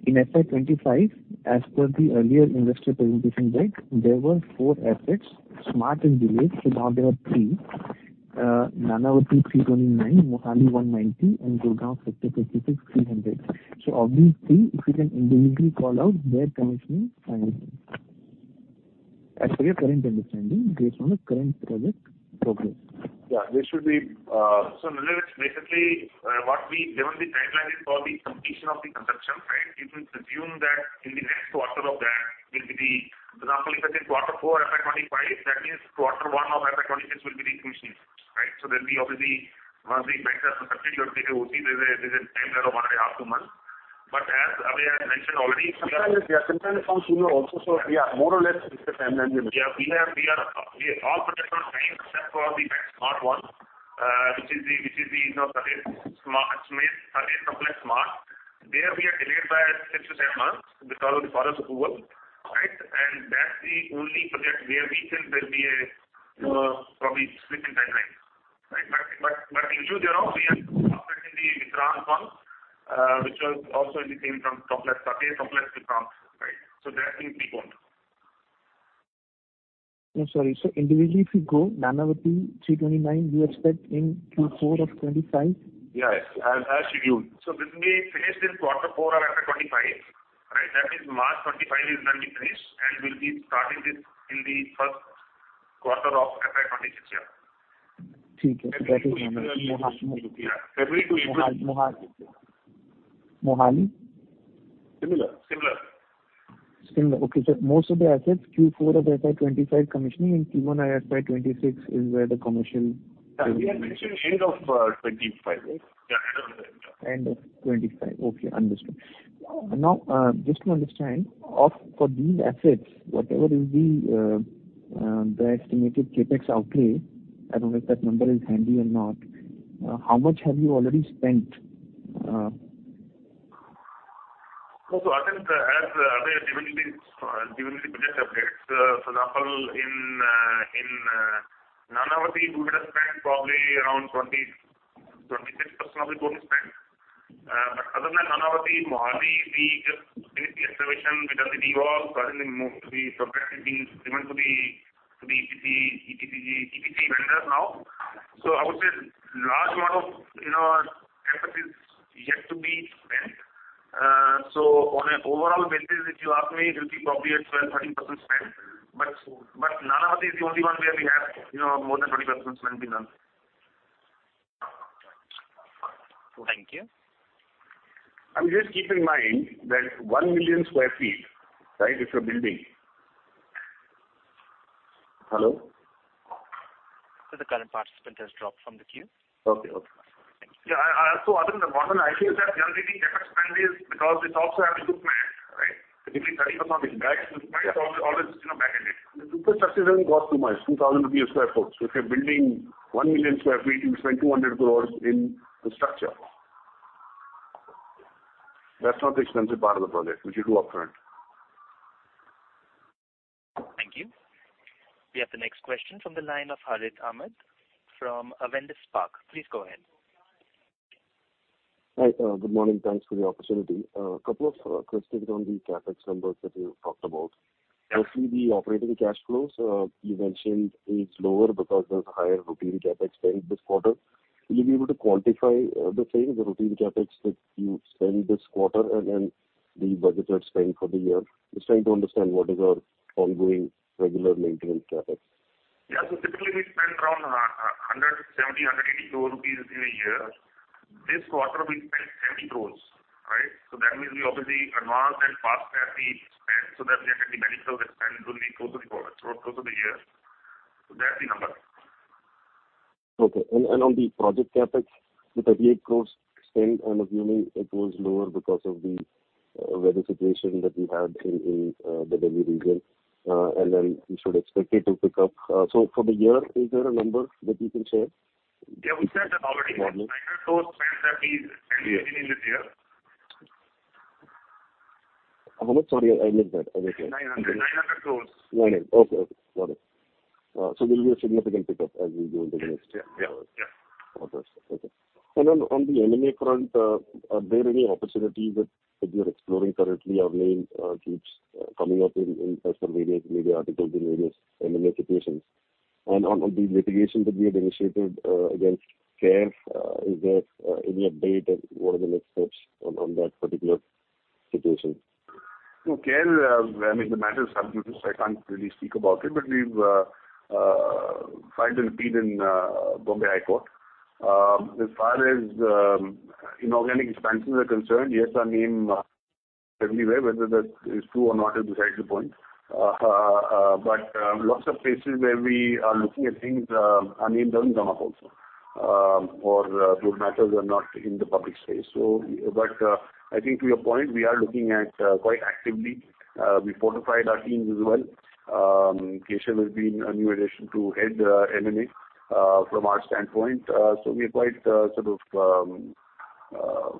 In FY 2025, as per the earlier investor presentation, right, there were 4 assets, smart and delayed, now there are 3. Nanavati, 329, Mohali, 190, and Gurgaon, Sector 56, 300. Of these 3, if you can individually call out their commissioning timing. As per your current understanding, based on the current project progress. Yeah, this should be. Basically, what we-- given the timeline is for the completion of the construction, right? You can assume that in the next quarter of that will be. For example, if it's in Q4, FY 2025, that means Q1 of FY 2026 will be the commissioning, right? There'll be obviously, once we register the 30-year, there's a time lag of one and a half, two months. As Abhay had mentioned already- Yeah, sometimes it comes sooner also, so yeah, more or less, it's the timeline you mentioned. Yeah, we have, we are, we are all projects on time, except for the Smart one, which is the, which is the, you know, Smart, Smart. There we are delayed by 6-7 months because of the forest approval, right? That's the only project where we think there'll be a probably slip in timeline, right? But, but in truth, you know, we have stopped it in the Iran one, which was also in the same complex, complex to France, right? That we keep on. I'm sorry. Individually, if you go, Nanavati, 329, we expect in Q4 of 2025? Yes, as scheduled. This will be finished in quarter four of FY 2025. Right, that is March 2025 is going to be finished. We'll be starting this in the first quarter of FY 2026 year. Okay, that. February to April. Mohali, Mohali. Mohali? Similar. Similar. Similar. Okay, most of the assets, Q4 of FY 25 commissioning, and Q1 FY 26 is where the. Yeah, we are commissioning end of, 2025, right? Yeah, end of 2025. End of 25. Okay, understood. Just to understand, of, for these assets, whatever is the estimated CapEx outlay, I don't know if that number is handy or not, how much have you already spent? I think as given the given the project updates, for example, in Nanavati, we would have spent probably around 20-26% of the total spend. Other than Nanavati, Mohali, we just finished the excavation. We done the D-wall, currently most of the progress is being given to the to the EPC, EPCG, EPC vendors now. I would say large amount of, you know, CapEx is yet to be spent. On an overall basis, if you ask me, it will be probably a 12-13% spent. Nanavati is the only one where we have, you know, more than 20% spent in them. Thank you. Just keep in mind that 1 million sq ft, right, it's a building. Hello? The current participant has dropped from the queue. Okay, okay. Yeah, other than one idea is that generally the CapEx spend is because it's also having to plan, right? Typically, 30% is back, all is, you know, back in it. The infrastructure doesn't cost too much, 2,000 rupees sq ft. If you're building 1 million sq ft, you spend 200 crore in the structure. That's not the expensive part of the project, which you do upfront. Thank you. We have the next question from the line of Harith Ahamed from Avendus Spark. Please go ahead. Hi, good morning. Thanks for the opportunity. A couple of questions on the CapEx numbers that you talked about. Actually, the operating cash flows, you mentioned is lower because there's higher routine CapEx spend this quarter. Will you be able to quantify the same, the routine CapEx that you spent this quarter and the budgeted spend for the year? Just trying to understand what is your ongoing regular maintenance CapEx. Yeah. Typically, we spend around 170-180 crore rupees in a year. This quarter, we spent 70 crore, right? That means we obviously advanced and fast-tracked the spend so that we can get the benefit of the spend during the course of the quarter, course of the year. That's the number. Okay. On the project CapEx, the INR 38 crore spent, I'm assuming it was lower because of the weather situation that we had in, in the Delhi region, and then we should expect it to pick up. For the year, is there a number that you can share? Yeah, we said that already. Okay. INR 900 crore spent at the beginning of the year. How much? Sorry, I missed that. 900, 900 crores. Nine, okay, okay, got it. There'll be a significant pickup as we go into the next- Yeah, yeah. Quarter. Okay. On, on the M&A front, are there any opportunities that, that you're exploring currently or main, keeps coming up in, in as per various media articles in various M&A situations? On, on the litigation that we had initiated, against Care, is there, any update on what are the next steps on, on that particular situation? Care, I mean, the matter is sub judice, I can't really speak about it, but we've filed an appeal in Bombay High Court. As far as inorganic expansions are concerned, yes, our name everywhere, whether that is true or not is besides the point. Lots of places where we are looking at things, our name doesn't come up also, or those matters are not in the public space. I think to your point, we are looking at quite actively. We fortified our teams as well. Keshav has been a new addition to head M&A from our standpoint. We are quite sort of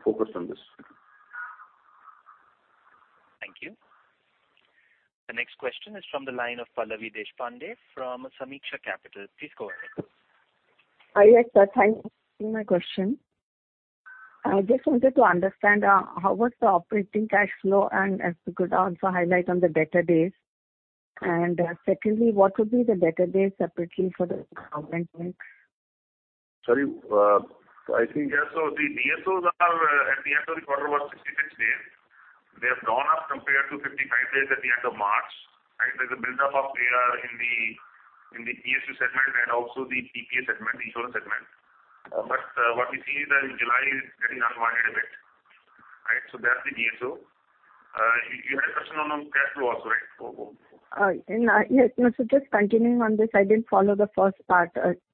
focused on this. Thank you. The next question is from the line of Pallavi Deshpande from Sameeksha Capital. Please go ahead. Hi, yes, sir. Thank you for my question. I just wanted to understand how was the operating cash flow. If you could also highlight on the bed days. Secondly, what would be the bed days separately for the government link? Sorry, Yes, the DSOs are at the end of the quarter was 66 days. They have gone up compared to 55 days at the end of March. There's a buildup of AR in the, in the ESIC segment and also the PPA segment, insurance segment. What we see is that in July, it's getting unwinding a bit, right? That's the DSO. You had a question on, on cash flow also, right? Yes, just continuing on this, I didn't follow the first part.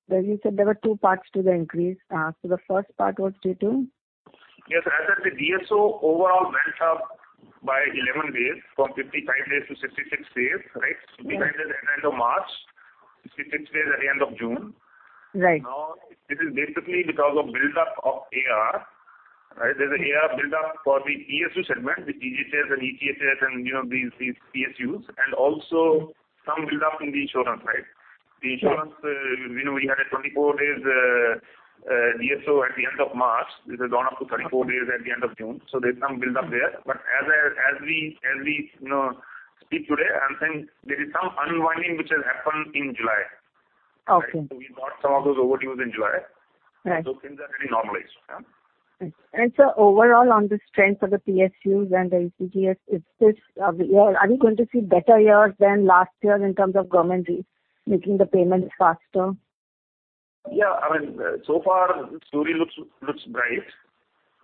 You said there were 2 parts to the increase. The first part, what's due to? Yes, as I said, the DSO overall went up by 11 days, from 55 days to 66 days, right? Mm-hmm. Behind the end of March, 66 days at the end of June. Right. This is basically because of buildup of AR, right? There's a AR buildup for the ESIC segment, the DGCS and EGCS and, you know, these, these PSUs, and also some buildup in the insurance, right? Sure. The insurance, you know, we had a 24 days DSO at the end of March. This has gone up to 34 days at the end of June. There's some buildup there. As I, as we, as we, you know, speak today, I'm saying there is some unwinding which has happened in July. Okay. We brought some of those over to you in July. Right. Things are getting normalized. Yeah. Sir, overall, on the strength of the PSUs and the EGCS, is this, are we going to see better years than last year in terms of government re, making the payments faster? Yeah, I mean, so far the story looks, looks bright,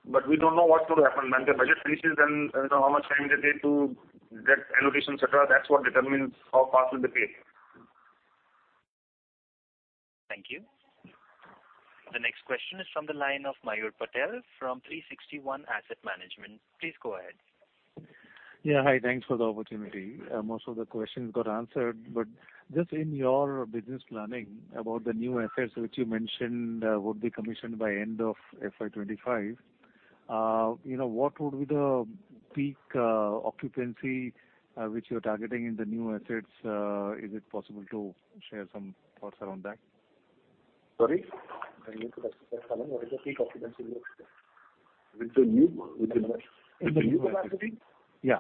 but we don't know what will happen. When the budget finishes, then, you know, how much time they take to get allocation, et cetera. That's what determines how fast will they pay. Thank you. The next question is from the line of Mayur Patel from 360 ONE Asset Management. Please go ahead. Yeah, hi. Thanks for the opportunity. Most of the questions got answered, but just in your business planning about the new assets, which you mentioned, would be commissioned by end of FY 25, you know, what would be the peak occupancy, which you're targeting in the new assets? Is it possible to share some thoughts around that? Sorry? Can you repeat the question again? What is the peak occupancy you expect? With the new, with the new- With the new capacity? Yeah.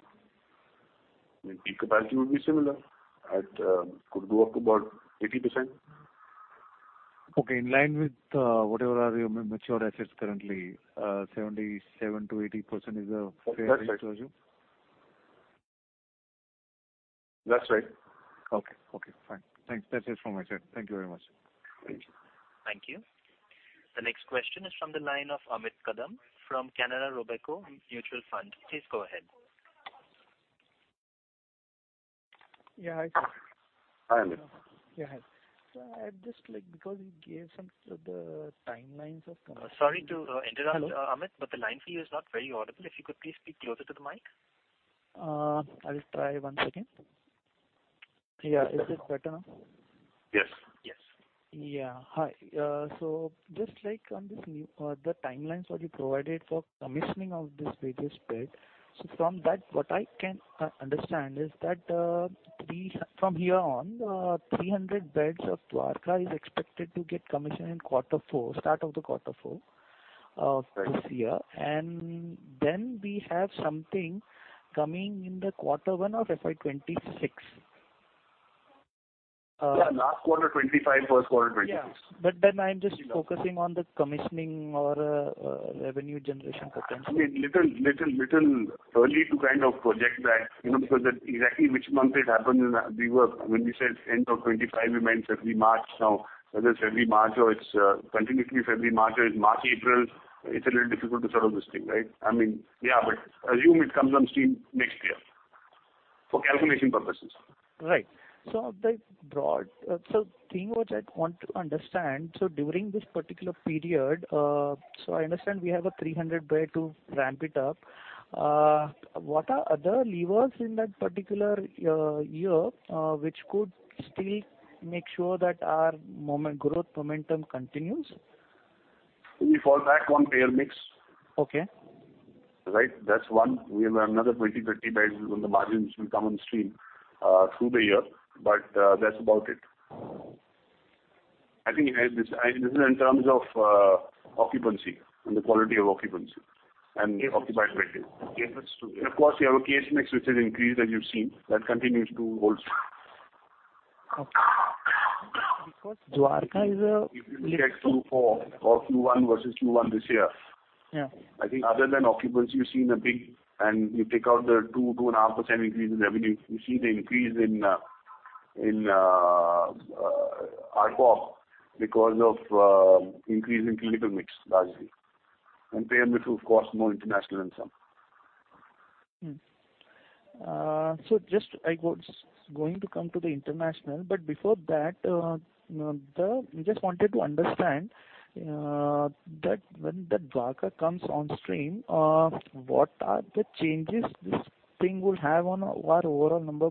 The peak capacity will be similar, at, could go up to about 80%. Okay. In line with, whatever are your mature assets currently, 77%-80% is the fair way to assume? That's right. Okay. Okay, fine. Thanks. That's it from my side. Thank you very much. Thank you. Thank you. The next question is from the line of Amit Kadam from Canara Robeco Mutual Fund. Please go ahead. Yeah, hi, sir. Hi, Amit. Yeah, hi. I'd just like, because you gave some of the timelines of commission- Sorry to interrupt, Amit, but the line for you is not very audible. If you could please speak closer to the mic. I'll try once again. Yeah, is it better now? Yes. Yes. Yeah. Hi, just like on this new, the timelines that you provided for commissioning of this various bed, so from that, what I can understand is that, we from here on, 300 beds of Dwarka is expected to get commissioned in quarter four, start of the quarter four, this year. Then we have something coming in the quarter one of FY26. Yeah, last quarter, 2025, first quarter, 2026. Yeah. Then I'm just focusing on the commissioning or revenue generation potential. I mean, little, little, little early to kind of project that, you know, because exactly which month it happens in the year. When we said end of 25, we meant February, March. Now, whether it's February, March, or it's, continuously February, March, or it's March, April, it's a little difficult to sort of this thing, right? I mean, yeah, but assume it comes on stream next year for calculation purposes. Right. The broad thing which I'd want to understand, during this particular period, I understand we have a 300 bed to ramp it up. What are other levers in that particular year, which could still make sure that our growth momentum continues? We fall back on payer mix. Okay. Right? That's one. We have another 20, 30 beds on the margins will come on stream, through the year, but, that's about it. I think this, this is in terms of, occupancy and the quality of occupancy and occupied bed mix. Yes. Of course, we have a case mix which has increased, as you've seen. That continues to hold. Okay. Because Dwarka is a- If you take Q4 or Q1 versus Q1 this year- Yeah I think other than occupancy, you've seen a big, and you take out the 2-2.5% increase in revenue, you see the increase in RPOC because of increase in clinical mix, largely. Payer mix, of course, more international and some. Just I was going to come to the international, but before that, the, we just wanted to understand, that when the Dwarka comes on stream, what are the changes this thing will have on our overall number?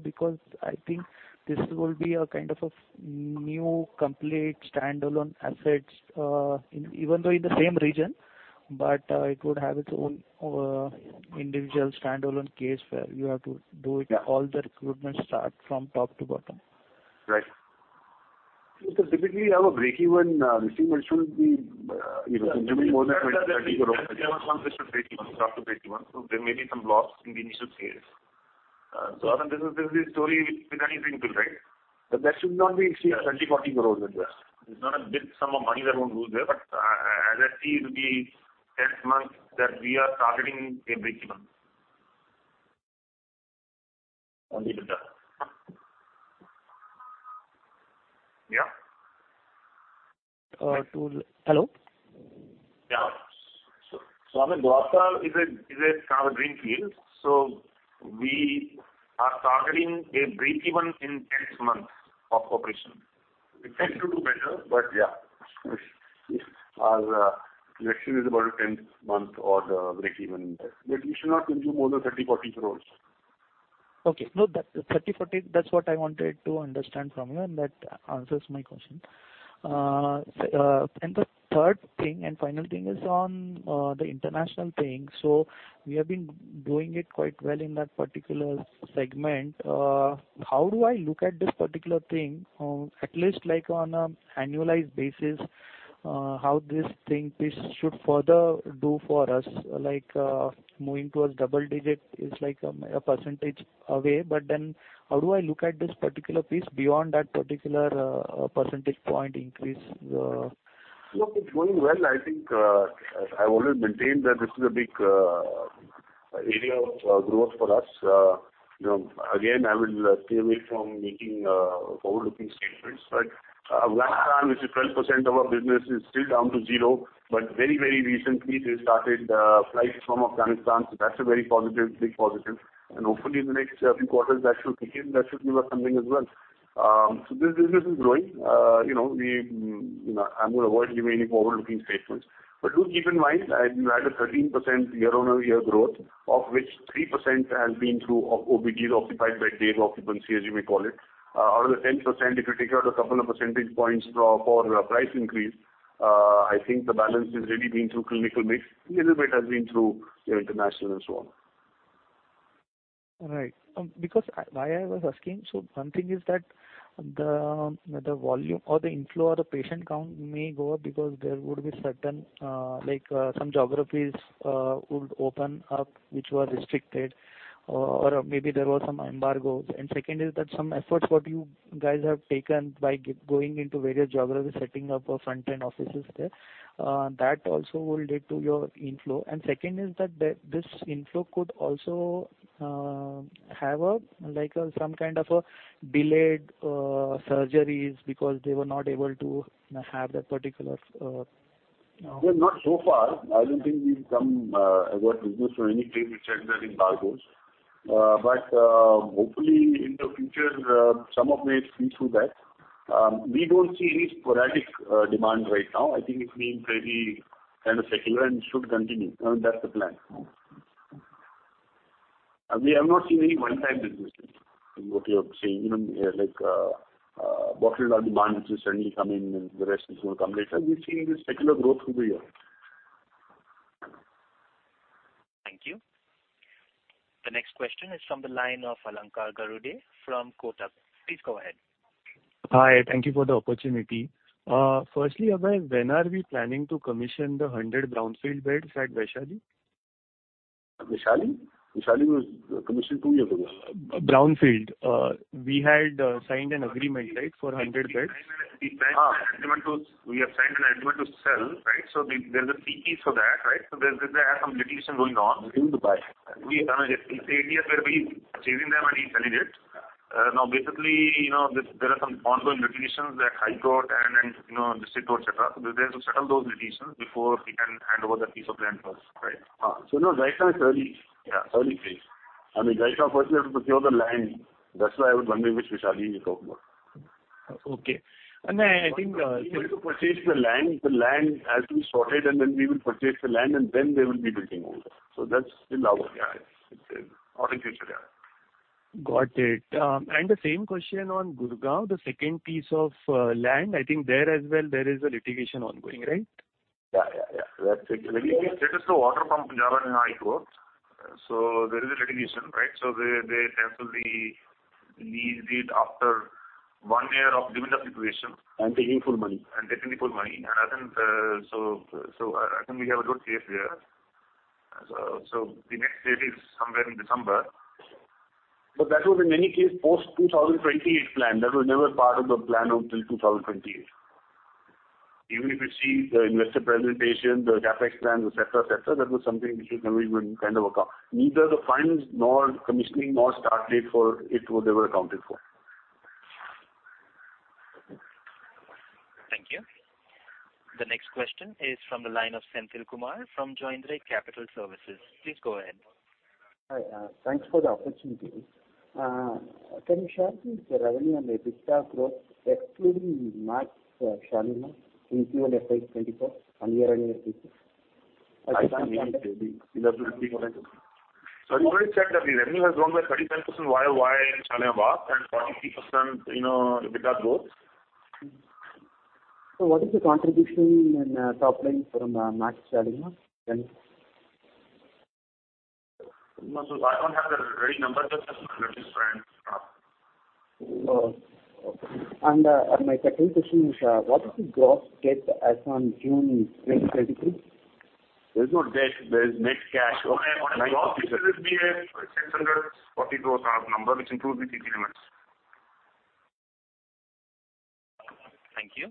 I think this will be a kind of a new, complete, standalone assets, in- even though in the same region, but, it would have its own, individual standalone case, where you have to do- Yeah all the recruitment start from top to bottom. Right. Typically, you have a break-even receive, which will be, you know, more than INR 20-30 crore. Break-even, start to break even. There may be some loss in the initial phase. This is, this is a story with anything to write. That should not be, say, 30-40 crore in there. It's not a big sum of money that won't go there, as I see, it will be 10 months that we are targeting a break-even. Only with the... Yeah? to... Hello? Yeah. I mean, Dwarka is a kind of greenfield, we are targeting a break-even in 10 months of operation. We tend to do better, but yeah, our direction is about a 10th month or the break-even. We should not consume more than 30-40 crore. Okay. No, that 30, 40, that's what I wanted to understand from you, and that answers my question. The third thing and final thing is on the international thing. We have been doing it quite well in that particular segment. How do I look at this particular thing, at least, like, on an annualized basis? How this thing piece should further do for us? Like, moving towards double-digit is like a percentage away, how do I look at this particular piece beyond that particular percentage point increase? Look, it's going well. I think, I've always maintained that this is a big area of growth for us. You know, again, I will stay away from making forward-looking statements, Afghanistan, which is 12% of our business, is still down to 0. Very, very recently, they started flights from Afghanistan, so that's a very positive, big positive. Hopefully, in the next few quarters, that should kick in, that should give us something as well. This business is growing. You know, you know, I'm gonna avoid giving any forward-looking statements. Do keep in mind, I, we had a 13% year-on-year growth, of which 3% has been through OBGs occupied by day occupancy, as you may call it. Out of the 10%, if you take out 2 percentage points for, for price increase, I think the balance is really being through clinical mix. Little bit has been through, you know, international and so on. All right. because I-- why I was asking, so one thing is that the, the volume or the inflow or the patient count may go up because there would be certain, like, some geographies, would open up, which were restricted, or, or maybe there were some embargoes. Second is that some efforts what you guys have taken by going into various geographies, setting up a front-end offices there, that also will lead to your inflow. Second is that the, this inflow could also, have a, like, some kind of a delayed, surgeries, because they were not able to have that particular, Well, not so far. I don't think we've come, what you say, anything which are the embargoes. Hopefully in the future, some of it may see through that. We don't see any sporadic demand right now. I think it's being very kind of secular and should continue. That's the plan. We have not seen any one-time businesses, what you're saying, you know, like bottled up demand, which will suddenly come in and the rest is going to come later. We've seen this secular growth through the year. Thank you. The next question is from the line of Alankar Garude from Kotak. Please go ahead. Hi, thank you for the opportunity. Firstly, Abhay, when are we planning to commission the 100 brownfield beds at Vaishali? Vaishali? Vaishali was commissioned two years ago. Brownfield. We had signed an agreement, right, for 100 beds. We have signed an agreement to sell, right? There, there's a CP for that, right? There, there are some litigation going on. Looking to buy. We, if APS were be achieving them and he's selling it. Now, basically, you know, there, there are some ongoing litigations that High Court and, and, you know, District Court, et cetera. They have to settle those litigations before we can hand over that piece of land first, right? You know, Vaishali is early. Yeah. Early phase. I mean, Vaishali first, we have to procure the land. That's why I would wonder which Vaishali you're talking about. Okay. I think. We need to purchase the land. The land has to be sorted, and then we will purchase the land, and then they will be building on that. That's still our, yeah, orientation, yeah. Got it. The same question on Gurgaon, the second piece of land. I think there as well, there is a litigation ongoing, right? Yeah, yeah, yeah. That's it. It is the order from Punjab and High Court. There is a litigation, right? They tend to be leased it after one year of giving up situation. Taking full money. Taking the full money. I think we have a good case here. The next date is somewhere in December. That was in any case, post 2028 plan. That was never part of the plan until 2028. Even if you see the investor presentation, the CapEx plan, et cetera, et cetera, that was something which was never even kind of account. Neither the finals, nor commissioning, nor start date for it was ever accounted for. Thank you. The next question is from the line of Senthil Kumar from Joindre Capital Services. Please go ahead. Hi, thanks for the opportunity. Can you share the revenue and the EBITDA growth, excluding Max Chandigarh in Q1 FY 2024, on year and EBITDA? I can't hear you. I've already said that the revenue has grown by 37% Y over Y in Chandigarh, and 43%, you know, EBITDA growth. What is the contribution in top line from Max Chandigarh, then? No, I don't have the ready numbers of this brand. Oh, okay. My second question is, what is the gross debt as on June 2022? There's no debt, there's net cash. On a gross, this will be an INR 642,000 number, which includes the TT limits. Thank you.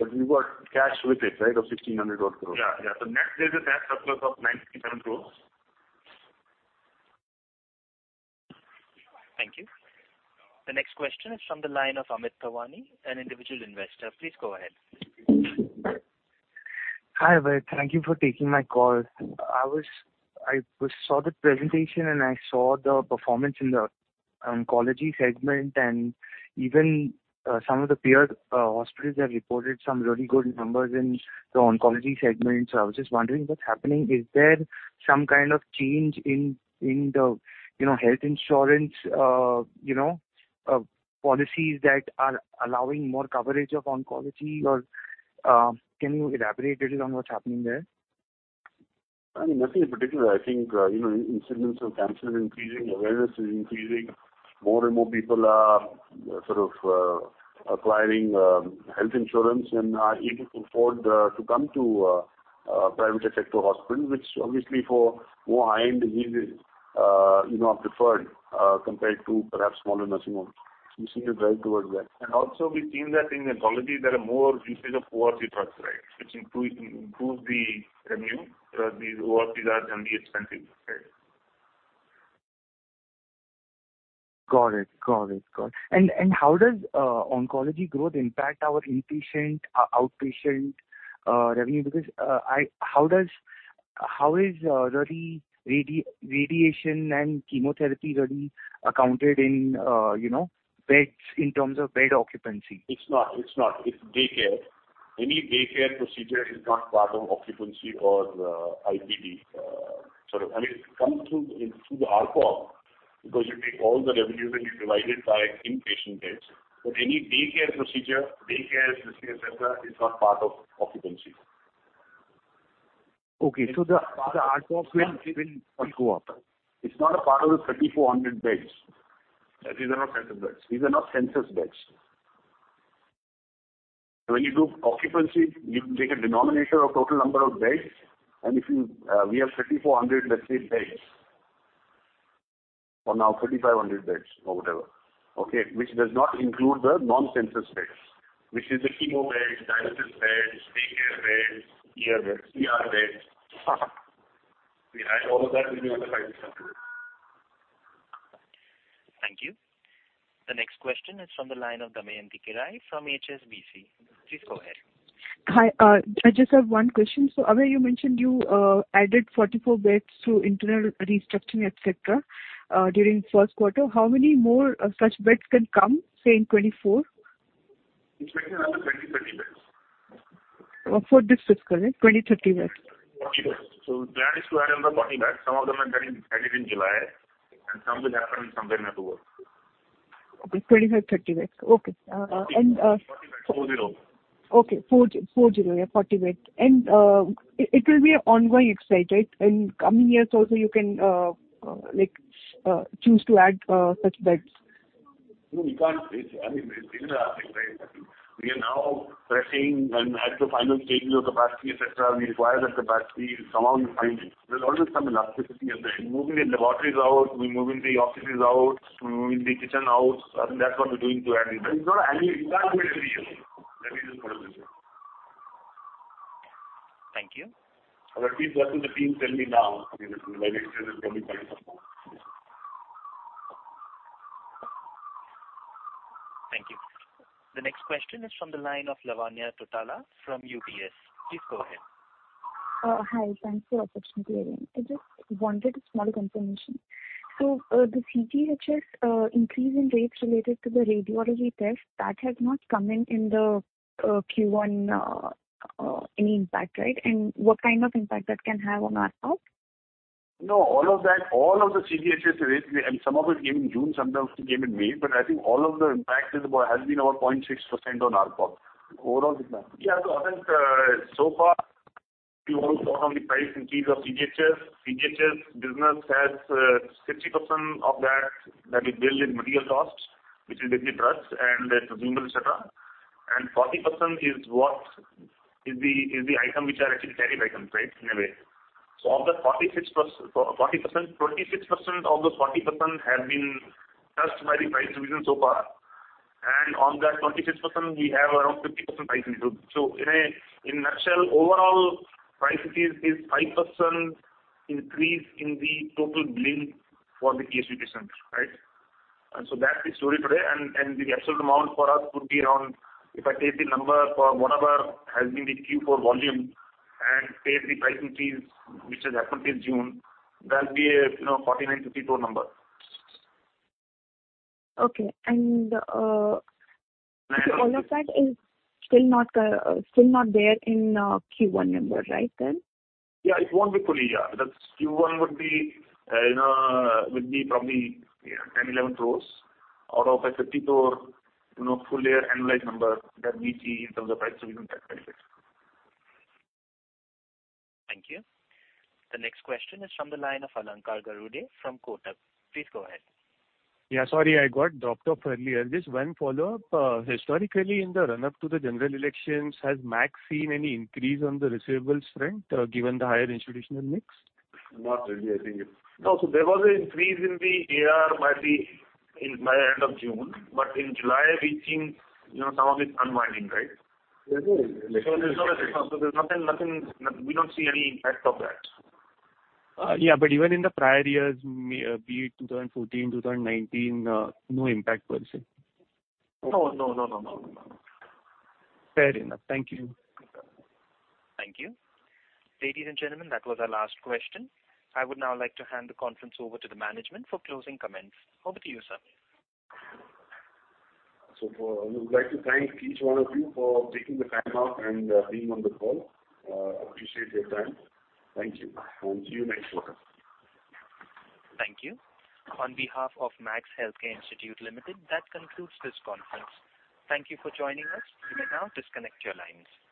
We got cash with it, right? Of 1,600 odd crores. Yeah, yeah. Next, there's a tax surplus of 97 crores. Thank you. The next question is from the line of Amit Bhawani, an individual investor. Please go ahead. Hi, Abhay, thank you for taking my call. I saw the presentation, I saw the performance in the oncology segment, even some of the peer hospitals have reported some really good numbers in the oncology segment. I was just wondering what's happening. Is there some kind of change in, in the, you know, health insurance, you know, policies that are allowing more coverage of oncology? Can you elaborate a little on what's happening there? I mean, nothing in particular. I think, you know, incidents of cancer is increasing, awareness is increasing. More and more people are sort of acquiring health insurance and are able to afford to come to private sector hospitals, which obviously for more high-end diseases, you know, are preferred compared to perhaps smaller nursing homes. We see a drive towards that. Also, we've seen that in oncology, there are more usage of ORC drugs, right? Which improve, improve the revenue, because these ORCs are generally expensive, right? Got it. Got it. Got it. And how does oncology growth impact our inpatient, our outpatient, revenue? Because how does, how is really radiation and chemotherapy really accounted in, you know, beds in terms of bed occupancy? It's not, it's not. It's daycare. Any daycare procedure is not part of occupancy or IPD sort of. I mean, it comes through, through the RPOB, because you take all the revenue and you divide it by inpatient beds. Any daycare procedure, daycare, et cetera, is not part of occupancy. Okay, the, the ARPOB will, will go up. It's not a part of the 3,400 beds. These are not census beds. These are not census beds. When you do occupancy, you take a denominator of total number of beds. If you, we have 3,400, let's say, beds, for now, 3,500 beds or whatever, okay? Which does not include the non-census beds, which is the chemo beds, dialysis beds, daycare beds, ER beds, VR beds. If we add all of that, we'll be able to find the number. Thank you. The next question is from the line of Damayanti Kerai from HSBC. Please go ahead. Hi, I just have one question. Abhay, you mentioned you added 44 beds through internal restructuring, et cetera, during first quarter. How many more such beds can come, say, in 2024? Expect another 20, 30 beds. For this fiscal, right? 20, 30 beds. The plan is to add another 40 beds. Some of them are getting added in July, and some will happen sometime in August. Okay, 25, 30 beds. Okay. 40. Okay, 40, yeah, 40 beds. It will be an ongoing exercise, right? In coming years also, you can, like, choose to add such beds. No, we can't say. I mean, things are happening, right? We are now pressing and at the final stage of capacity, et cetera. We require that capacity is somehow defined. There's always some elasticity in there. Moving the laboratories out, we're moving the offices out, we're moving the kitchen out. I think that's what we're doing to add in beds. It's not an annual, you can't do it every year. Let me just put it this way. Thank you. At least that's what the team tell me now. I mean, like I said, it's probably quite simple. Thank you. The next question is from the line of Lavanya Tottala from UBS. Please go ahead. Hi, thanks for the opportunity again. I just wanted a small confirmation. So, the CGHS increase in rates related to the radiology test, that has not come in in the Q1 any impact, right? What kind of impact that can have on our health? No, all of that, all of the CGHS rates, some of it came in June, some of it came in May, I think all of the impact is about, has been about 0.6% on RPOC. Overall, yeah, so far, if you want to talk on the price increase of CGHS, CGHS business has 60% of that, that we build in material costs, which is basically drugs and consumables, et cetera. 40% is what is the, is the item which are actually carry items, right, in a way. Of the 46%... 40%, 26% of the 40% have been touched by the price revision so far, on that 26%, we have around 50% price increase. In a, in a nutshell, overall price increase is 5% increase in the total bill for the ICU patient, right? That's the story today, and the absolute amount for us could be around, if I take the number for whatever has been the Q4 volume and take the price increase, which has happened in June, that will be a, you know, 49-54 crore. Okay, all of that is still not, still not there in, Q1 number, right, then? Yeah, it won't be fully, yeah. That Q1 would be, you know, would be probably 10-11 crore out of a 50 crore, you know, full year annualized number that we see in terms of price revision. Thank you. The next question is from the line of Alankar Garude from Kotak. Please go ahead. Yeah, sorry, I got dropped off earlier. Just 1 follow-up. Historically, in the run-up to the general elections, has Max seen any increase on the receivables front, given the higher institutional mix? Not really, I think. No, there was an increase in the AR by the, in by end of June, but in July, we've seen, you know, some of it unwinding, right? There's not a, there's nothing, nothing, we don't see any impact of that. Yeah, even in the prior years, may, be it 2014, 2019, no impact per se? No, no, no, no, no, no. Fair enough. Thank you. Thank you. Ladies and gentlemen, that was our last question. I would now like to hand the conference over to the management for closing comments. Over to you, sir. We would like to thank each one of you for taking the time out and being on the call. Appreciate your time. Thank you. See you next quarter. Thank you. On behalf of Max Healthcare Institute Limited, that concludes this conference. Thank you for joining us. You may now disconnect your lines.